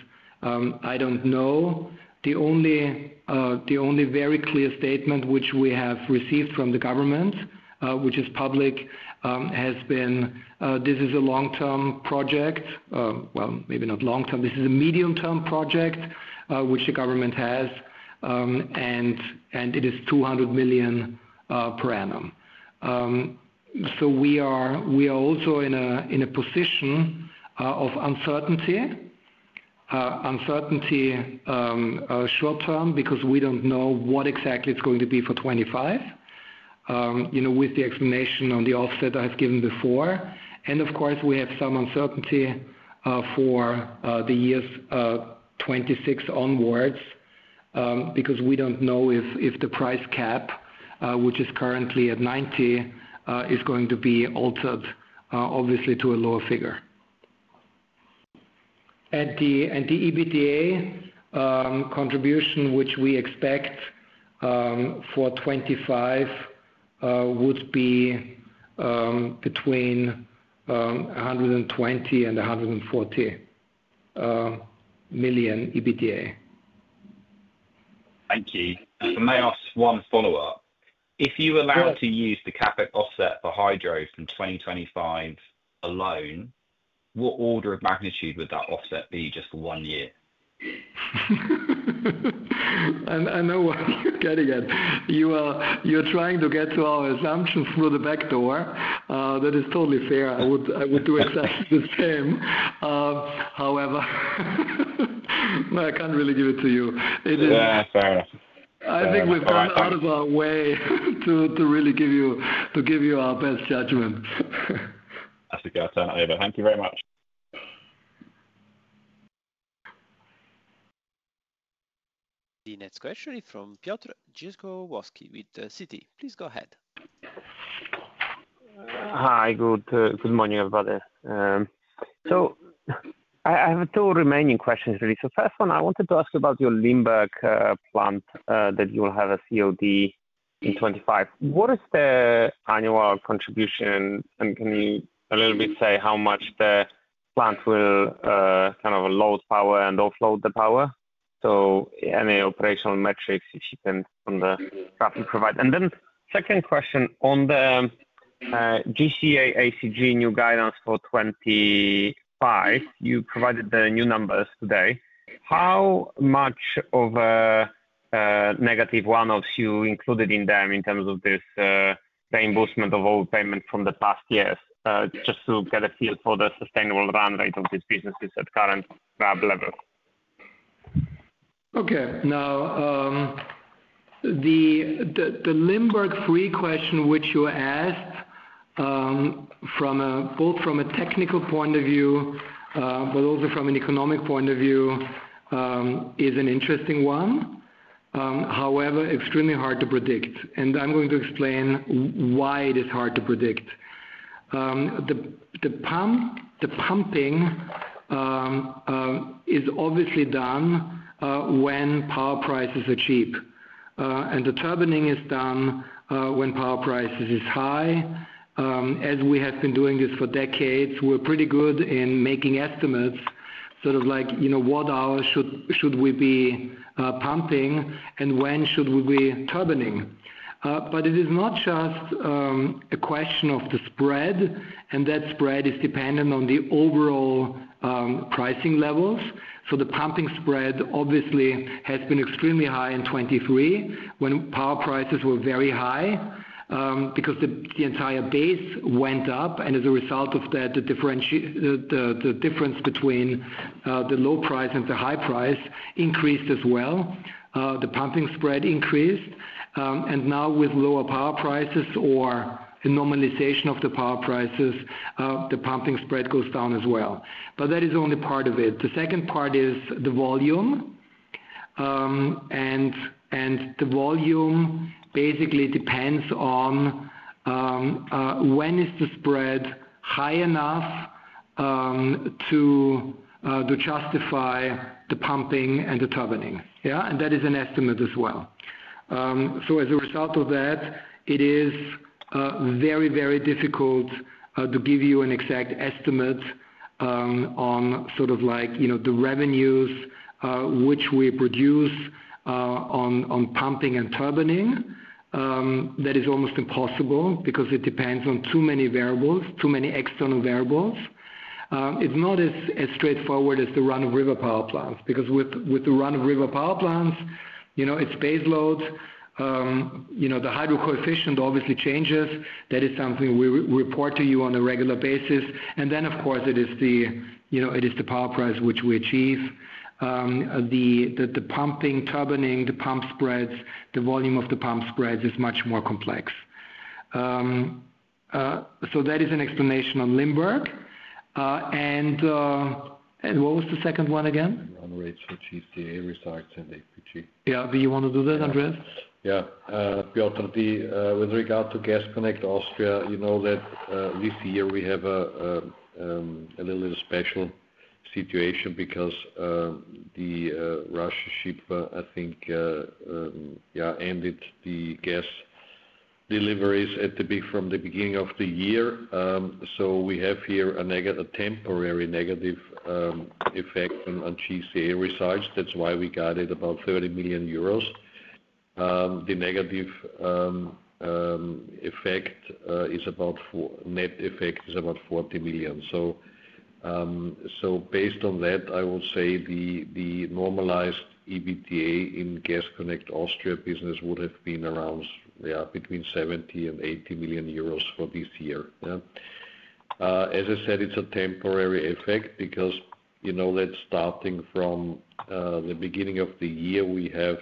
I don't know. The only very clear statement which we have received from the government, which is public, has been this is a long-term project. Maybe not long-term. This is a medium-term project which the government has, and it is 200 million per annum. We are also in a position of uncertainty, uncertainty short-term because we do not know what exactly it is going to be for 2025 with the explanation on the offset I have given before. Of course, we have some uncertainty for the years 2026 onwards because we do not know if the price cap, which is currently at 90, is going to be altered, obviously, to a lower figure. The EBITDA contribution, which we expect for 2025, would be between 120 million-140 million EBITDA. Thank you. May I ask one follow-up? If you are allowed to use the CapEx offset for hydro from 2025 alone, what order of magnitude would that offset be just for one year? I know what you are getting at. You are trying to get to our assumptions through the back door. That is totally fair. I would do exactly the same. However, I can't really give it to you. I think we've gone out of our way to really give you our best judgment. That's a good answer. Thank you very much. The next question is from Piotr Dzieciolowski with Citi. Please go ahead. Hi, good morning, everybody. I have two remaining questions, really. First one, I wanted to ask about your Limburg plant that you will have a COD in 2025. What is the annual contribution, and can you a little bit say how much the plant will kind of load power and offload the power? Any operational metrics if you can on the traffic provider. Second question on the GCA ACG new guidance for 2025, you provided the new numbers today. How much of a negative one-offs you included in them in terms of this reimbursement of overpayment from the past years, just to get a feel for the sustainable run rate of these businesses at current grab levels? Okay. Now, the Limburg III question, which you asked both from a technical point of view, but also from an economic point of view, is an interesting one. However, extremely hard to predict. I am going to explain why it is hard to predict. The pumping is obviously done when power prices are cheap. The turbining is done when power prices are high. As we have been doing this for decades, we are pretty good in making estimates, sort of like what hours should we be pumping and when should we be turbining. It is not just a question of the spread, and that spread is dependent on the overall pricing levels. The pumping spread obviously has been extremely high in 2023 when power prices were very high because the entire base went up. As a result of that, the difference between the low price and the high price increased as well. The pumping spread increased. Now with lower power prices or normalization of the power prices, the pumping spread goes down as well. That is only part of it. The second part is the volume. The volume basically depends on when the spread is high enough to justify the pumping and the turbining. Yeah? That is an estimate as well. As a result of that, it is very, very difficult to give you an exact estimate on sort of like the revenues which we produce on pumping and turbining. That is almost impossible because it depends on too many variables, too many external variables. It is not as straightforward as the run-of-river power plants because with the run-of-river power plants, it is baseload. The hydro coefficient obviously changes. That is something we report to you on a regular basis. Of course, it is the power price which we achieve. The pumping, turbining, the pump spreads, the volume of the pump spreads is much more complex. That is an explanation on Limburg. What was the second one again? Run rates for GCA results and EPG. Do you want to do that, Andreas? Yeah. Piotr, with regard to Gasconnect Austria, you know that this year we have a little special situation because the Russian ship, I think, yeah, ended the gas deliveries from the beginning of the year. We have here a temporary negative effect on Gasconnect Austria results. That is why we got it about 30 million euros. The negative effect is about, net effect is about 40 million. Based on that, I will say the normalized EBITDA in Gasconnect Austria business would have been around between 70 million and 80 million euros for this year. As I said, it is a temporary effect because starting from the beginning of the year, we have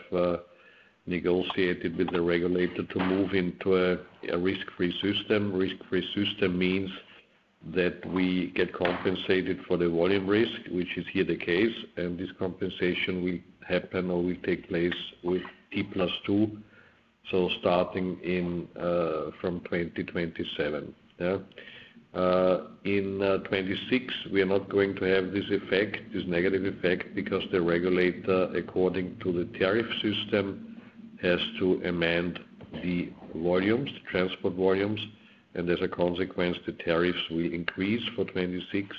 negotiated with the regulator to move into a risk-free system. Risk-free system means that we get compensated for the volume risk, which is here the case. This compensation will happen or will take place with T plus two. Starting from 2027. In 2026, we are not going to have this effect, this negative effect because the regulator, according to the tariff system, has to amend the volumes, the transport volumes. As a consequence, the tariffs will increase for 2026.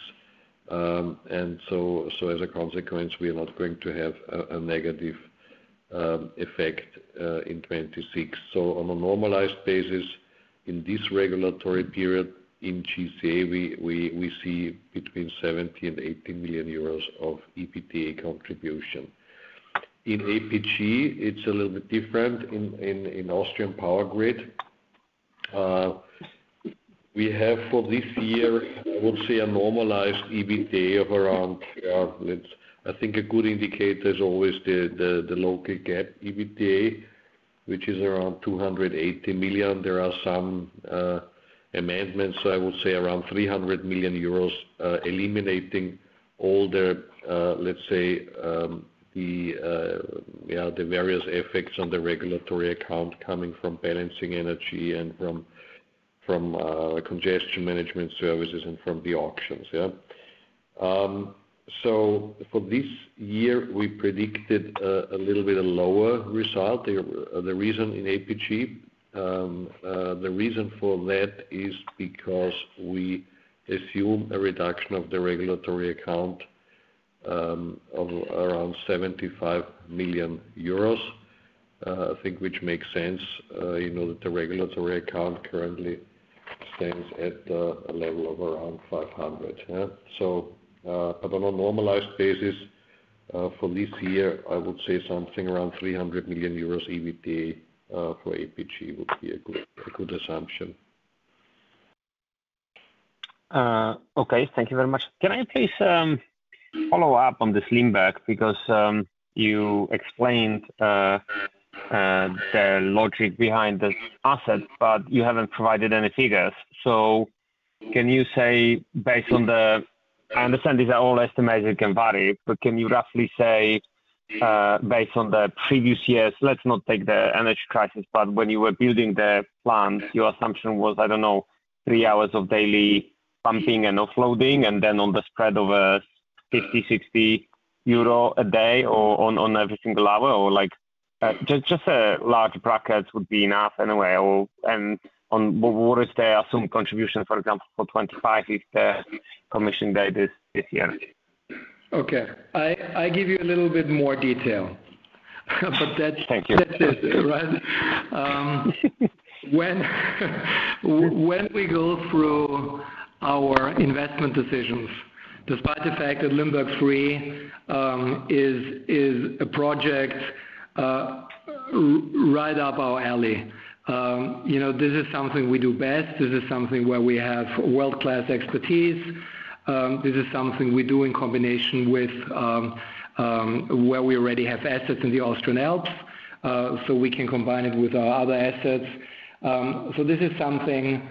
As a consequence, we are not going to have a negative effect in 2026. On a normalized basis, in this regulatory period in GCA, we see between 70 million and 80 million euros of EBITDA contribution. In APG, it is a little bit different. In Austrian Power Grid, we have for this year, I would say, a normalized EBITDA of around, I think a good indicator is always the local GAAP EBITDA, which is around 280 million. There are some amendments, so I would say around 300 million euros eliminating all the, let's say, the various effects on the regulatory account coming from balancing energy and from congestion management services and from the auctions. Yeah? For this year, we predicted a little bit lower result. The reason in APG, the reason for that is because we assume a reduction of the regulatory account of around 75 million euros, I think, which makes sense that the regulatory account currently stands at a level of around 500 million. Yeah? On a normalized basis, for this year, I would say something around 300 million euros EBITDA for APG would be a good assumption. Okay. Thank you very much. Can I please follow up on this Limburg because you explained the logic behind this asset, but you haven't provided any figures. Can you say, based on the I understand these are all estimates that can vary, but can you roughly say, based on the previous years, let's not take the energy crisis, but when you were building the plant, your assumption was, I don't know, three hours of daily pumping and offloading, and then on the spread of 50-60 euro a day or on every single hour, or just a large bracket would be enough anyway. What is the assumed contribution, for example, for 2025 if the commission date is this year? Okay. I give you a little bit more detail, but that's it. Thank you. Right? When we go through our investment decisions, despite the fact that Limburg III is a project right up our alley, this is something we do best. This is something where we have world-class expertise. This is something we do in combination with where we already have assets in the Austrian Alps, so we can combine it with our other assets. This is something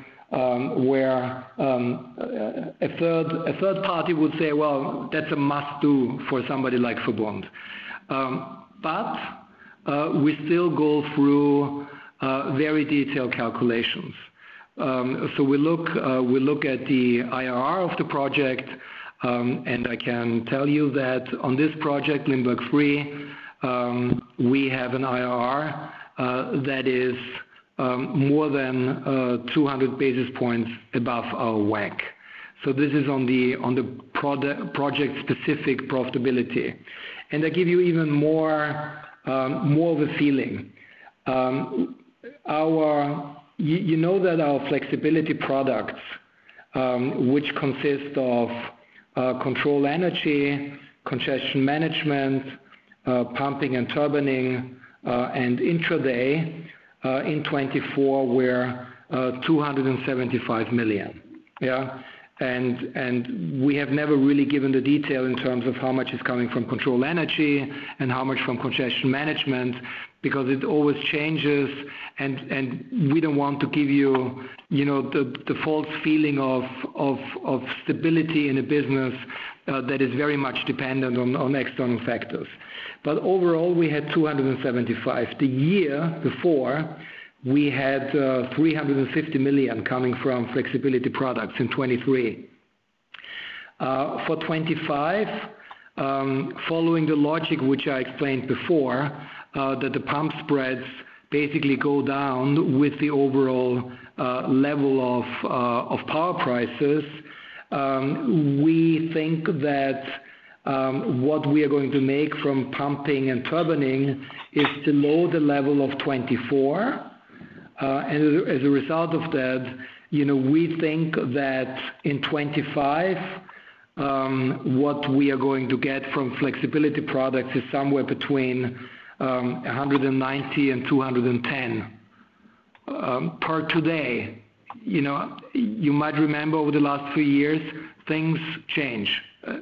where a third party would say, "Well, that's a must-do for somebody like VERBUND." We still go through very detailed calculations. We look at the IRR of the project. I can tell you that on this project, Limburg III, we have an IRR that is more than 200 basis points above our WACC. This is on the project-specific profitability. I give you even more of a feeling. You know that our flexibility products, which consist of control energy, congestion management, pumping and turbining, and intra-day in 2024, were 275 million. Yeah? We have never really given the detail in terms of how much is coming from control energy and how much from congestion management because it always changes. We do not want to give you the false feeling of stability in a business that is very much dependent on external factors. Overall, we had 275 million. The year before, we had 350 million coming from flexibility products in 2023. For 2025, following the logic which I explained before, that the pump spreads basically go down with the overall level of power prices, we think that what we are going to make from pumping and turbining is to lower the level of 2024. As a result of that, we think that in 2025, what we are going to get from flexibility products is somewhere between 190 million and 210 million per today. You might remember over the last few years, things change.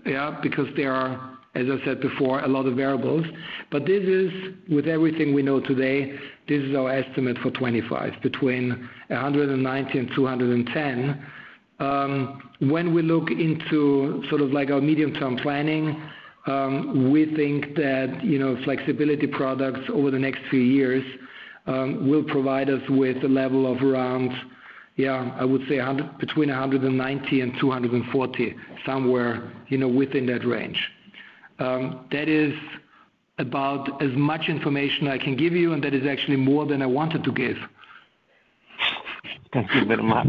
Yeah? Because there are, as I said before, a lot of variables. But this is, with everything we know today, this is our estimate for 2025, between 190 million and 210 million. When we look into sort of our medium-term planning, we think that flexibility products over the next few years will provide us with a level of around, yeah, I would say between 190 million and 240 million, somewhere within that range. That is about as much information I can give you, and that is actually more than I wanted to give. Thank you very much.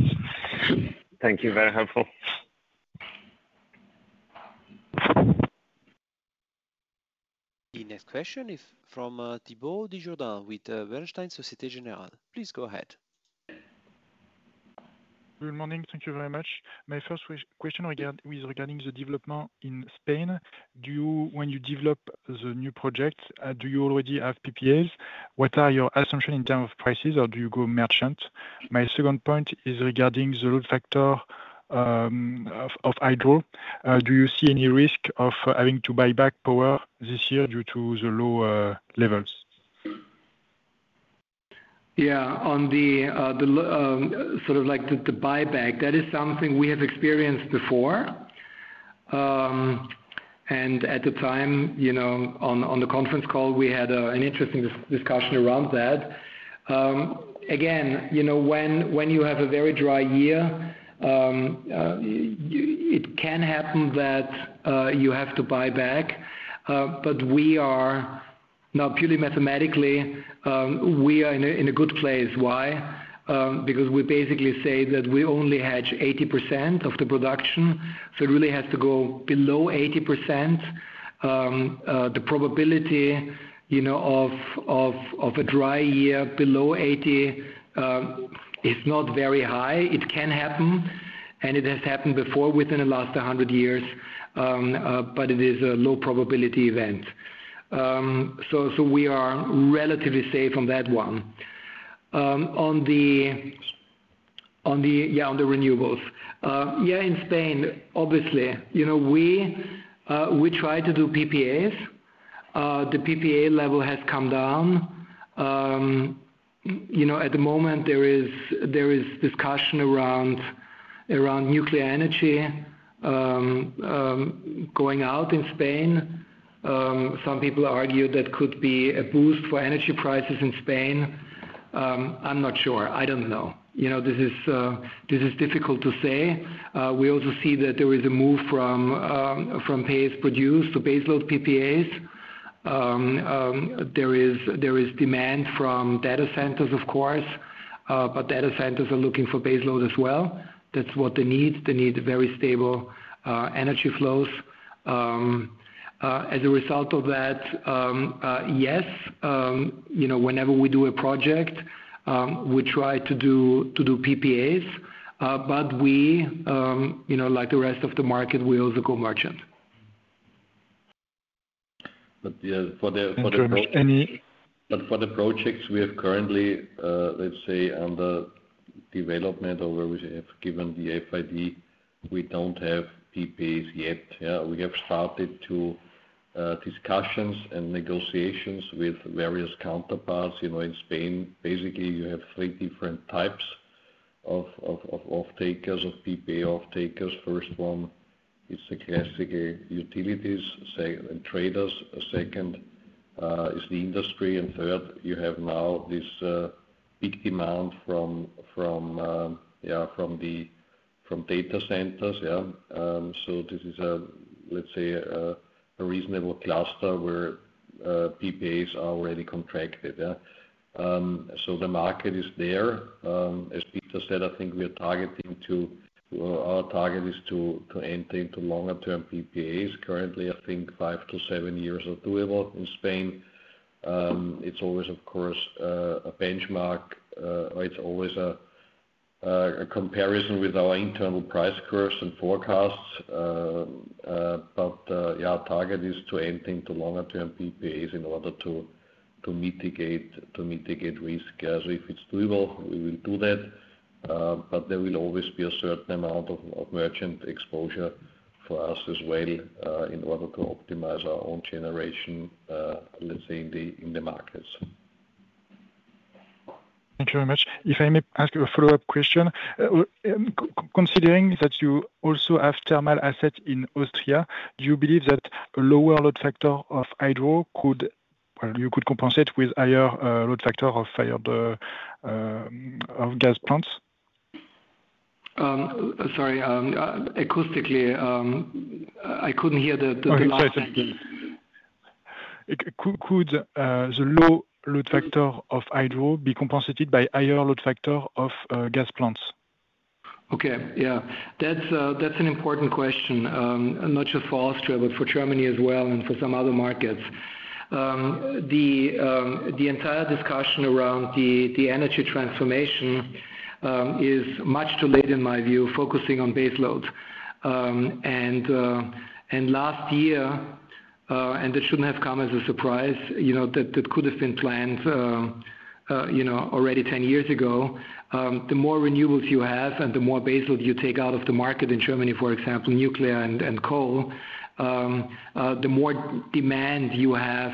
Thank you. Very helpful. The next question is from Thibault Dujardin with Bernstein Société Générale. Please go ahead. Good morning. Thank you very much. My first question is regarding the development in Spain. When you develop the new project, do you already have PPAs? What are your assumptions in terms of prices, or do you go merchant? My second point is regarding the load factor of hydro. Do you see any risk of having to buy back power this year due to the low levels? Yeah. On the sort of the buyback, that is something we have experienced before. At the time, on the conference call, we had an interesting discussion around that. Again, when you have a very dry year, it can happen that you have to buy back. Now, purely mathematically, we are in a good place. Why? Because we basically say that we only had 80% of the production. It really has to go below 80%. The probability of a dry year below 80 is not very high. It can happen, and it has happened before within the last 100 years, but it is a low-probability event. We are relatively safe on that one. Yeah, on the renewables. Yeah, in Spain, obviously, we try to do PPAs. The PPA level has come down. At the moment, there is discussion around nuclear energy going out in Spain. Some people argue that could be a boost for energy prices in Spain. I'm not sure. I don't know. This is difficult to say. We also see that there is a move from PASE produced to baseload PPAs. There is demand from data centers, of course, but data centers are looking for baseload as well. That's what they need. They need very stable energy flows. As a result of that, yes, whenever we do a project, we try to do PPAs, but like the rest of the market, we also go merchant. For the projects we have currently, let's say, under development or where we have given the FID, we don't have PPAs yet. Yeah? We have started discussions and negotiations with various counterparts in Spain. Basically, you have three different types of off-takers, of PPA off-takers. First one is the classical utilities, traders. Second is the industry. Third, you have now this big demand from data centers. Yeah? This is, let's say, a reasonable cluster where PPAs are already contracted. Yeah? The market is there. As Peter said, I think we are targeting to our target is to enter into longer-term PPAs. Currently, I think five to seven years are doable in Spain. It's always, of course, a benchmark. It's always a comparison with our internal price curves and forecasts. But yeah, our target is to enter into longer-term PPAs in order to mitigate risk. If it's doable, we will do that. There will always be a certain amount of merchant exposure for us as well in order to optimize our own generation, let's say, in the markets. Thank you very much. If I may ask you a follow-up question. Considering that you also have thermal assets in Austria, do you believe that a lower load factor of hydro could, well, you could compensate with higher load factor of gas plants? Sorry. Acoustically, I couldn't hear the last question. Could the low load factor of hydro be compensated by higher load factor of gas plants? Okay. Yeah. That's an important question, not just for Austria, but for Germany as well and for some other markets. The entire discussion around the energy transformation is much too late, in my view, focusing on baseload. Last year, and that should not have come as a surprise, that could have been planned already 10 years ago. The more renewables you have and the more baseload you take out of the market in Germany, for example, nuclear and coal, the more demand you have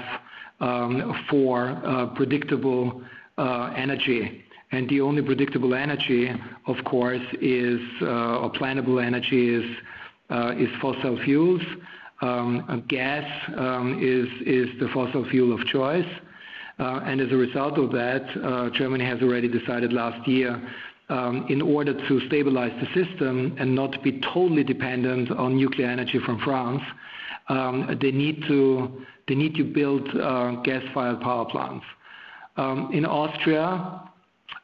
for predictable energy. The only predictable energy, of course, or plannable energy is fossil fuels. Gas is the fossil fuel of choice. As a result of that, Germany has already decided last year, in order to stabilize the system and not be totally dependent on nuclear energy from France, they need to build gas-fired power plants. In Austria,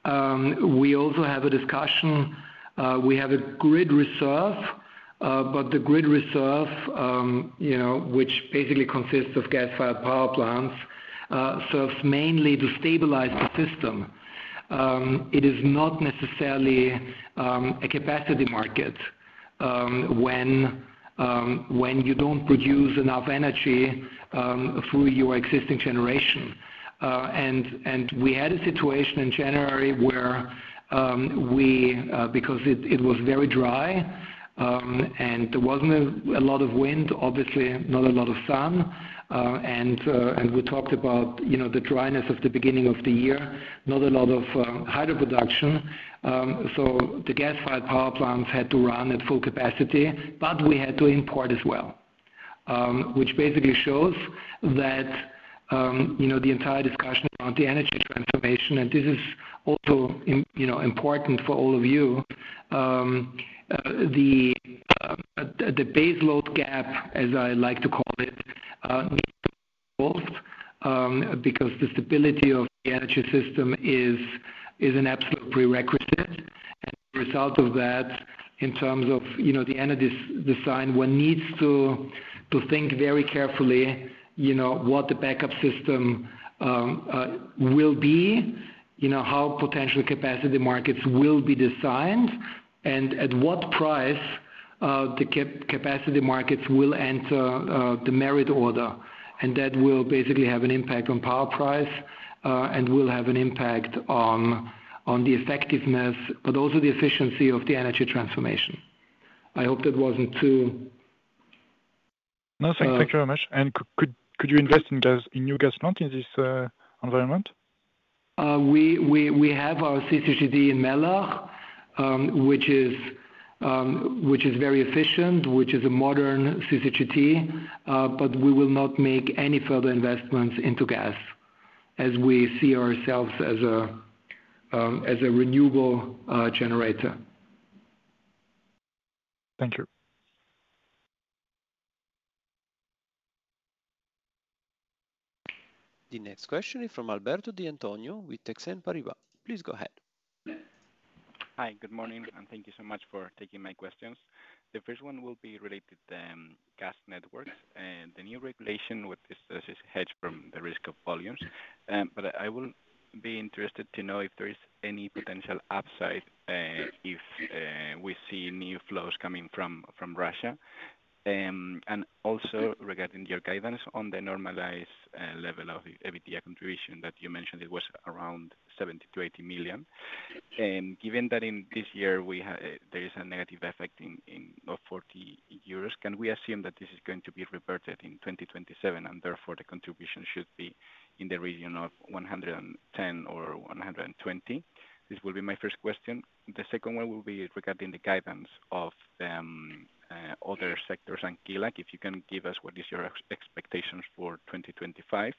we also have a discussion. We have a grid reserve, but the grid reserve, which basically consists of gas-fired power plants, serves mainly to stabilize the system. It is not necessarily a capacity market when you do not produce enough energy through your existing generation. We had a situation in January where we, because it was very dry and there was not a lot of wind, obviously, not a lot of sun. We talked about the dryness of the beginning of the year, not a lot of hydro production. The gas-fired power plants had to run at full capacity, but we had to import as well, which basically shows that the entire discussion around the energy transformation, and this is also important for all of you, the baseload gap, as I like to call it, needs to be resolved because the stability of the energy system is an absolute prerequisite. As a result of that, in terms of the energy design, one needs to think very carefully what the backup system will be, how potential capacity markets will be designed, and at what price the capacity markets will enter the merit order. That will basically have an impact on power price and will have an impact on the effectiveness, but also the efficiency of the energy transformation. I hope that was not too. No, thank you very much. Could you invest in new gas plants in this environment? We have our CCGT in Mellach, which is very efficient, which is a modern CCGT. We will not make any further investments into gas as we see ourselves as a renewable generator. Thank you. The next question is from Alberto de Antonio with Exane BNP Paribas. Please go ahead. Hi. Good morning. Thank you so much for taking my questions. The first one will be related to gas networks. The new regulation with this hedge from the risk of volumes. I will be interested to know if there is any potential upside if we see new flows coming from Russia. Also, regarding your guidance on the normalized level of EBITDA contribution that you mentioned, it was around 70-80 million. Given that in this year, there is a negative effect of 40 million euros, can we assume that this is going to be reverted in 2027 and therefore the contribution should be in the region of 110-120 million? This will be my first question. The second one will be regarding the guidance of other sectors and KELAG. If you can give us what is your expectations for 2025.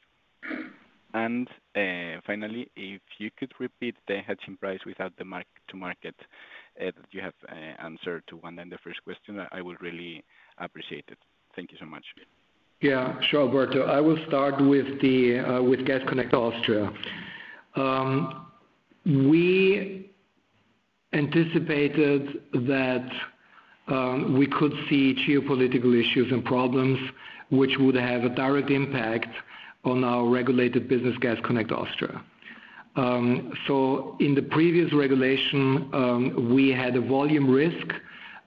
Finally, if you could repeat the hedging price without the mark-to-market that you have answered to one and the first question, I would really appreciate it. Thank you so much. Yeah. Sure, Alberto. I will start with Gasconnect Austria. We anticipated that we could see geopolitical issues and problems which would have a direct impact on our regulated business, Gasconnect Austria. In the previous regulation, we had a volume risk,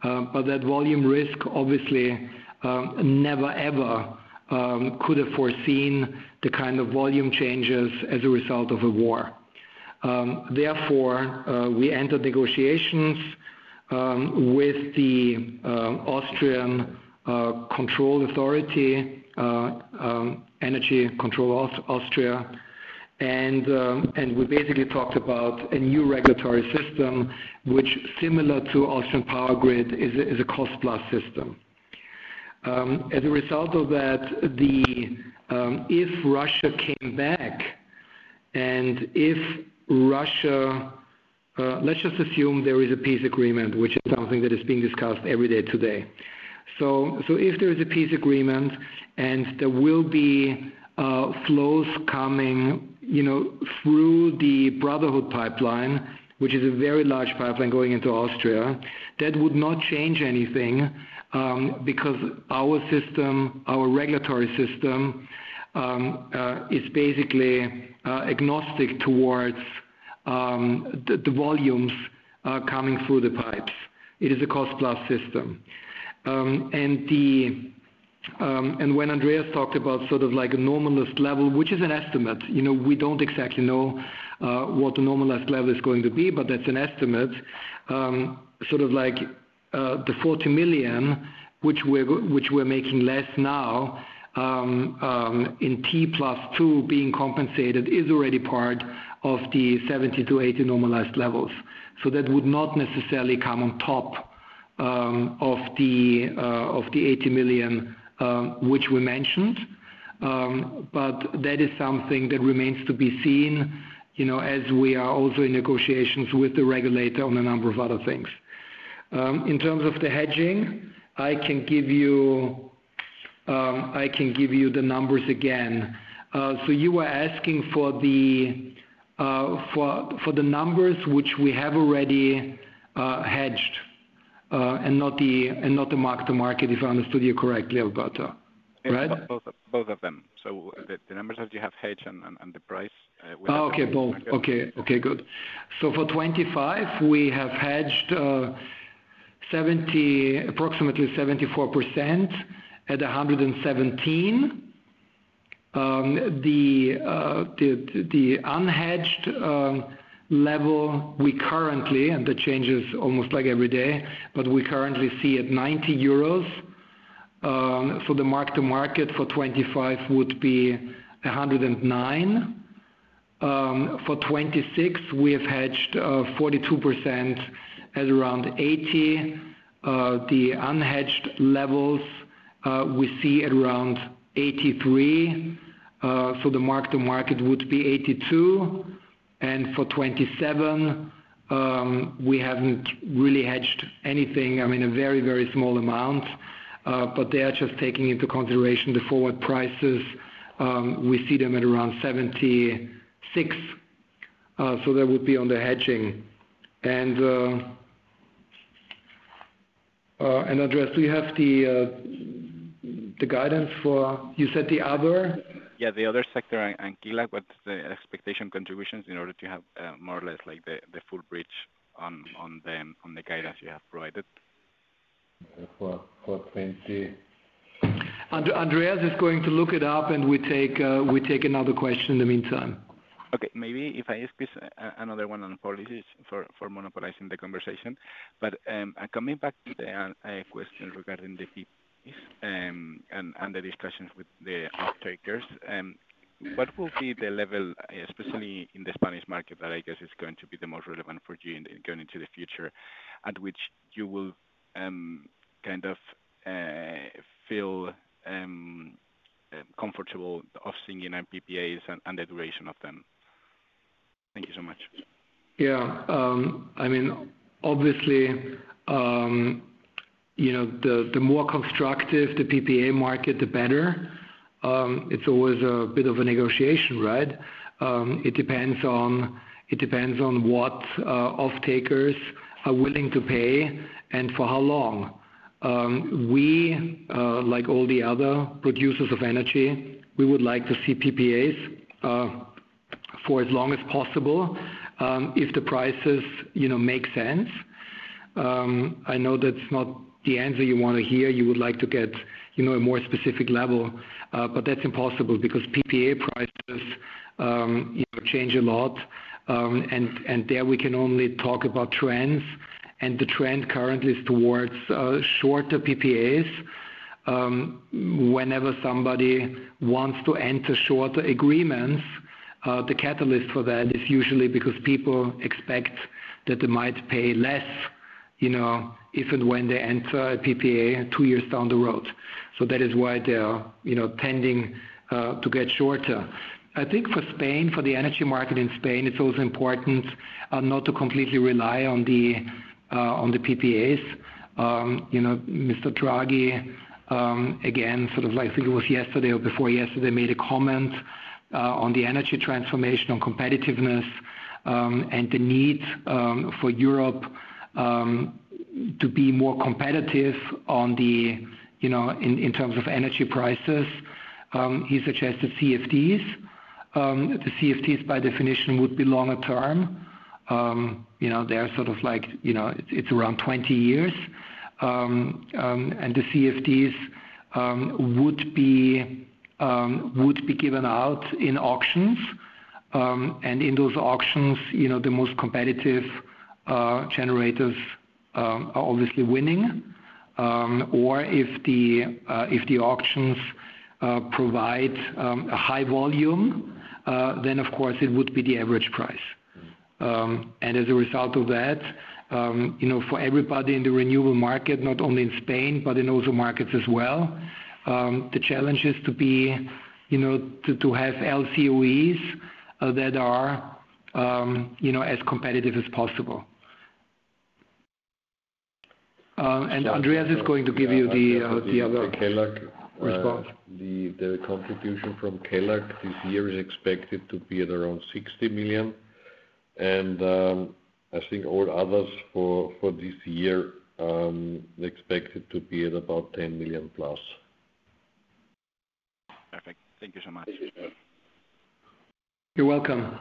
but that volume risk, obviously, never ever could have foreseen the kind of volume changes as a result of a war. Therefore, we entered negotiations with the Austrian Control Authority, Energy Control Austria, and we basically talked about a new regulatory system which, similar to Austrian Power Grid, is a cost-plus system. As a result of that, if Russia came back and if Russia—let's just assume there is a peace agreement, which is something that is being discussed every day today. If there is a peace agreement and there will be flows coming through the Brotherhood pipeline, which is a very large pipeline going into Austria, that would not change anything because our system, our regulatory system, is basically agnostic towards the volumes coming through the pipes. It is a cost-plus system. When Andreas talked about sort of a normalized level, which is an estimate, we do not exactly know what the normalized level is going to be, but that is an estimate, sort of the 40 million, which we are making less now in T plus two being compensated, is already part of the 70 million-80 million normalized levels. That would not necessarily come on top of the 80 million which we mentioned. That is something that remains to be seen as we are also in negotiations with the regulator on a number of other things. In terms of the hedging, I can give you—I can give you the numbers again. You were asking for the numbers which we have already hedged and not the mark-to-market, if I understood you correctly, Alberto. Right? Both of them. The numbers that you have hedged and the price with the market. Oh, okay. Both. Okay. Okay. Good. For 2025, we have hedged approximately 74% at 117. The unhedged level we currently—and the change is almost every day—but we currently see at 90 euros. The mark-to-market for 2025 would be 109. For 2026, we have hedged 42% at around 80. The unhedged levels we see at around 83. The mark-to-market would be 82. For 2027, we have not really hedged anything. I mean, a very, very small amount, but they are just taking into consideration the forward prices. We see them at around 76. That would be on the hedging. Andreas, do you have the guidance for—you said the other? Yes. The other sector and KELAG, what is the expectation contributions in order to have more or less the full bridge on the guidance you have provided? For 2020. Andreas is going to look it up, and we take another question in the meantime. Okay. Maybe if I ask another one on policies for monopolizing the conversation. Coming back to the question regarding the fees and the discussions with the off-takers, what will be the level, especially in the Spanish market, that I guess is going to be the most relevant for you going into the future, at which you will kind of feel comfortable of seeing PPAs and the duration of them? Thank you so much. Yeah. I mean, obviously, the more constructive the PPA market, the better. It is always a bit of a negotiation, right? It depends on what off-takers are willing to pay and for how long. We, like all the other producers of energy, we would like to see PPAs for as long as possible if the prices make sense. I know that is not the answer you want to hear. You would like to get a more specific level. That is impossible because PPA prices change a lot. There we can only talk about trends. The trend currently is towards shorter PPAs. Whenever somebody wants to enter shorter agreements, the catalyst for that is usually because people expect that they might pay less if and when they enter a PPA two years down the road. That is why they are tending to get shorter. I think for Spain, for the energy market in Spain, it is also important not to completely rely on the PPAs. Mr. Draghi, again, sort of like he was yesterday or before yesterday, made a comment on the energy transformation, on competitiveness, and the need for Europe to be more competitive in terms of energy prices. He suggested CFDs. The CFDs, by definition, would be longer term. They are sort of like it is around 20 years. The CFDs would be given out in auctions. In those auctions, the most competitive generators are obviously winning. If the auctions provide a high volume, then, of course, it would be the average price. As a result of that, for everybody in the renewable market, not only in Spain, but in those markets as well, the challenge is to have LCOEs that are as competitive as possible. Andreas is going to give you the other response. The contribution from KELAG this year is expected to be at around 60 million. I think all others for this year are expected to be at about 10 million plus. Perfect. Thank you so much. You're welcome.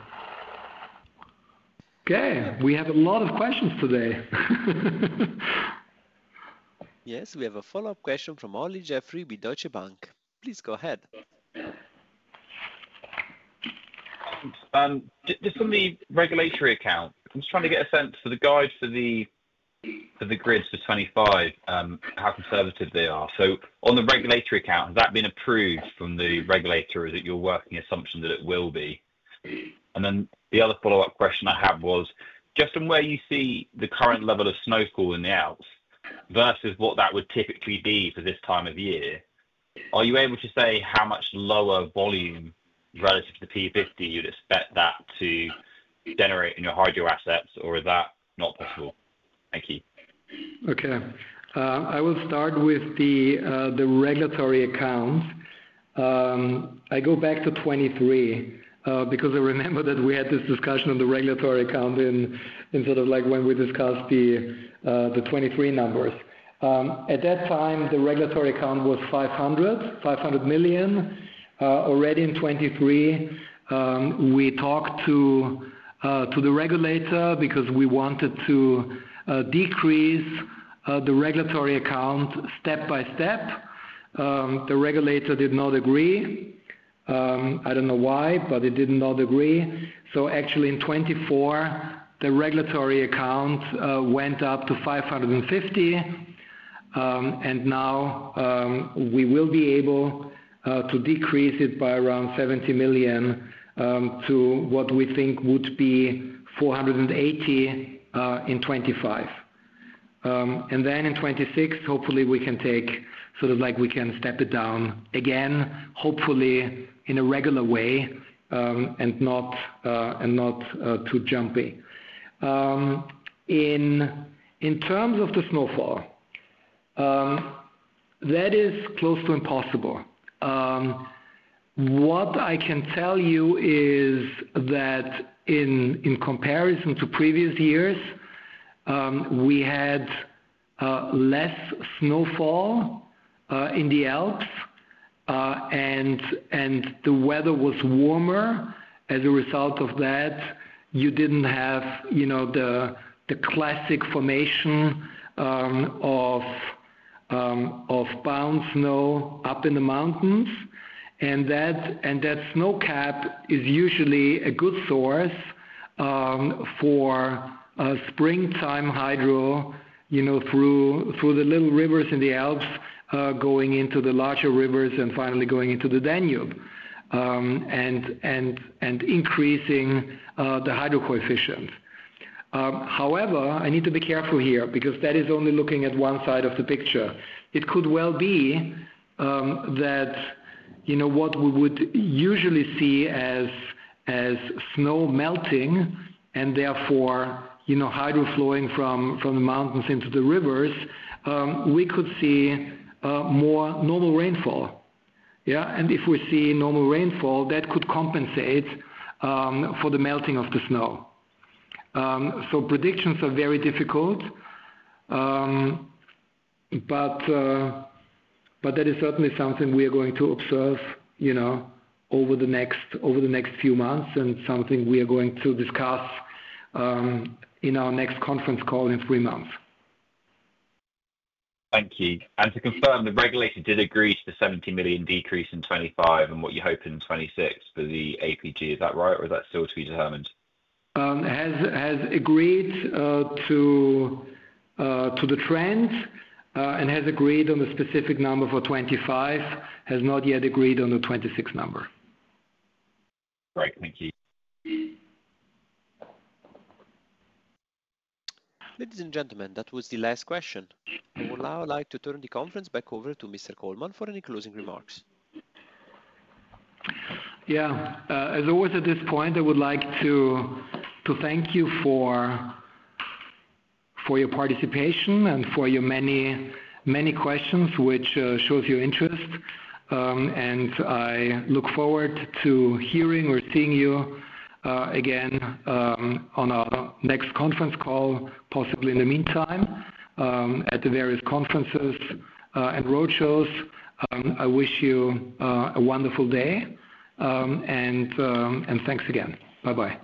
Okay. We have a lot of questions today. Yes. We have a follow-up question from Olly Jeffery with Deutsche Bank. Please go ahead. Just on the regulatory account, I'm just trying to get a sense for the guide for the grid for 2025, how conservative they are. On the regulatory account, has that been approved from the regulator, or is it your working assumption that it will be? The other follow-up question I had was, just from where you see the current level of snowfall in the Alps versus what that would typically be for this time of year, are you able to say how much lower volume relative to the P50 you would expect that to generate in your hydro assets, or is that not possible? Thank you. Okay. I will start with the regulatory account. I go back to 2023 because I remember that we had this discussion on the regulatory account in sort of when we discussed the 2023 numbers. At that time, the regulatory account was 500 million. Already in 2023, we talked to the regulator because we wanted to decrease the regulatory account step by step. The regulator did not agree. I don't know why, but it did not agree. Actually, in 2024, the regulatory account went up to 550 million. Now we will be able to decrease it by around 70 million to what we think would be 480 million in 2025. In 2026, hopefully, we can take sort of like we can step it down again, hopefully in a regular way and not too jumpy. In terms of the snowfall, that is close to impossible. What I can tell you is that in comparison to previous years, we had less snowfall in the Alps, and the weather was warmer. As a result of that, you did not have the classic formation of bound snow up in the mountains. That snow cap is usually a good source for springtime hydro through the little rivers in the Alps going into the larger rivers and finally going into the Danube and increasing the hydro coefficient. However, I need to be careful here because that is only looking at one side of the picture. It could well be that what we would usually see as snow melting and therefore hydro flowing from the mountains into the rivers, we could see more normal rainfall. Yeah. If we see normal rainfall, that could compensate for the melting of the snow. Predictions are very difficult. That is certainly something we are going to observe over the next few months and something we are going to discuss in our next conference call in three months. Thank you. To confirm, the regulator did agree to the 70 million decrease in 2025 and what you hope in 2026 for the Austrian Power Grid. Is that right, or is that still to be determined? Has agreed to the trends and has agreed on the specific number for 2025, has not yet agreed on the 2026 number. Great. Thank you. Ladies and gentlemen, that was the last question. I would now like to turn the conference back over to Mr. Kollmann for any closing remarks. Yeah. As always at this point, I would like to thank you for your participation and for your many questions, which shows your interest. I look forward to hearing or seeing you again on our next conference call, possibly in the meantime at the various conferences and roadshows. I wish you a wonderful day. Thanks again. Bye-bye.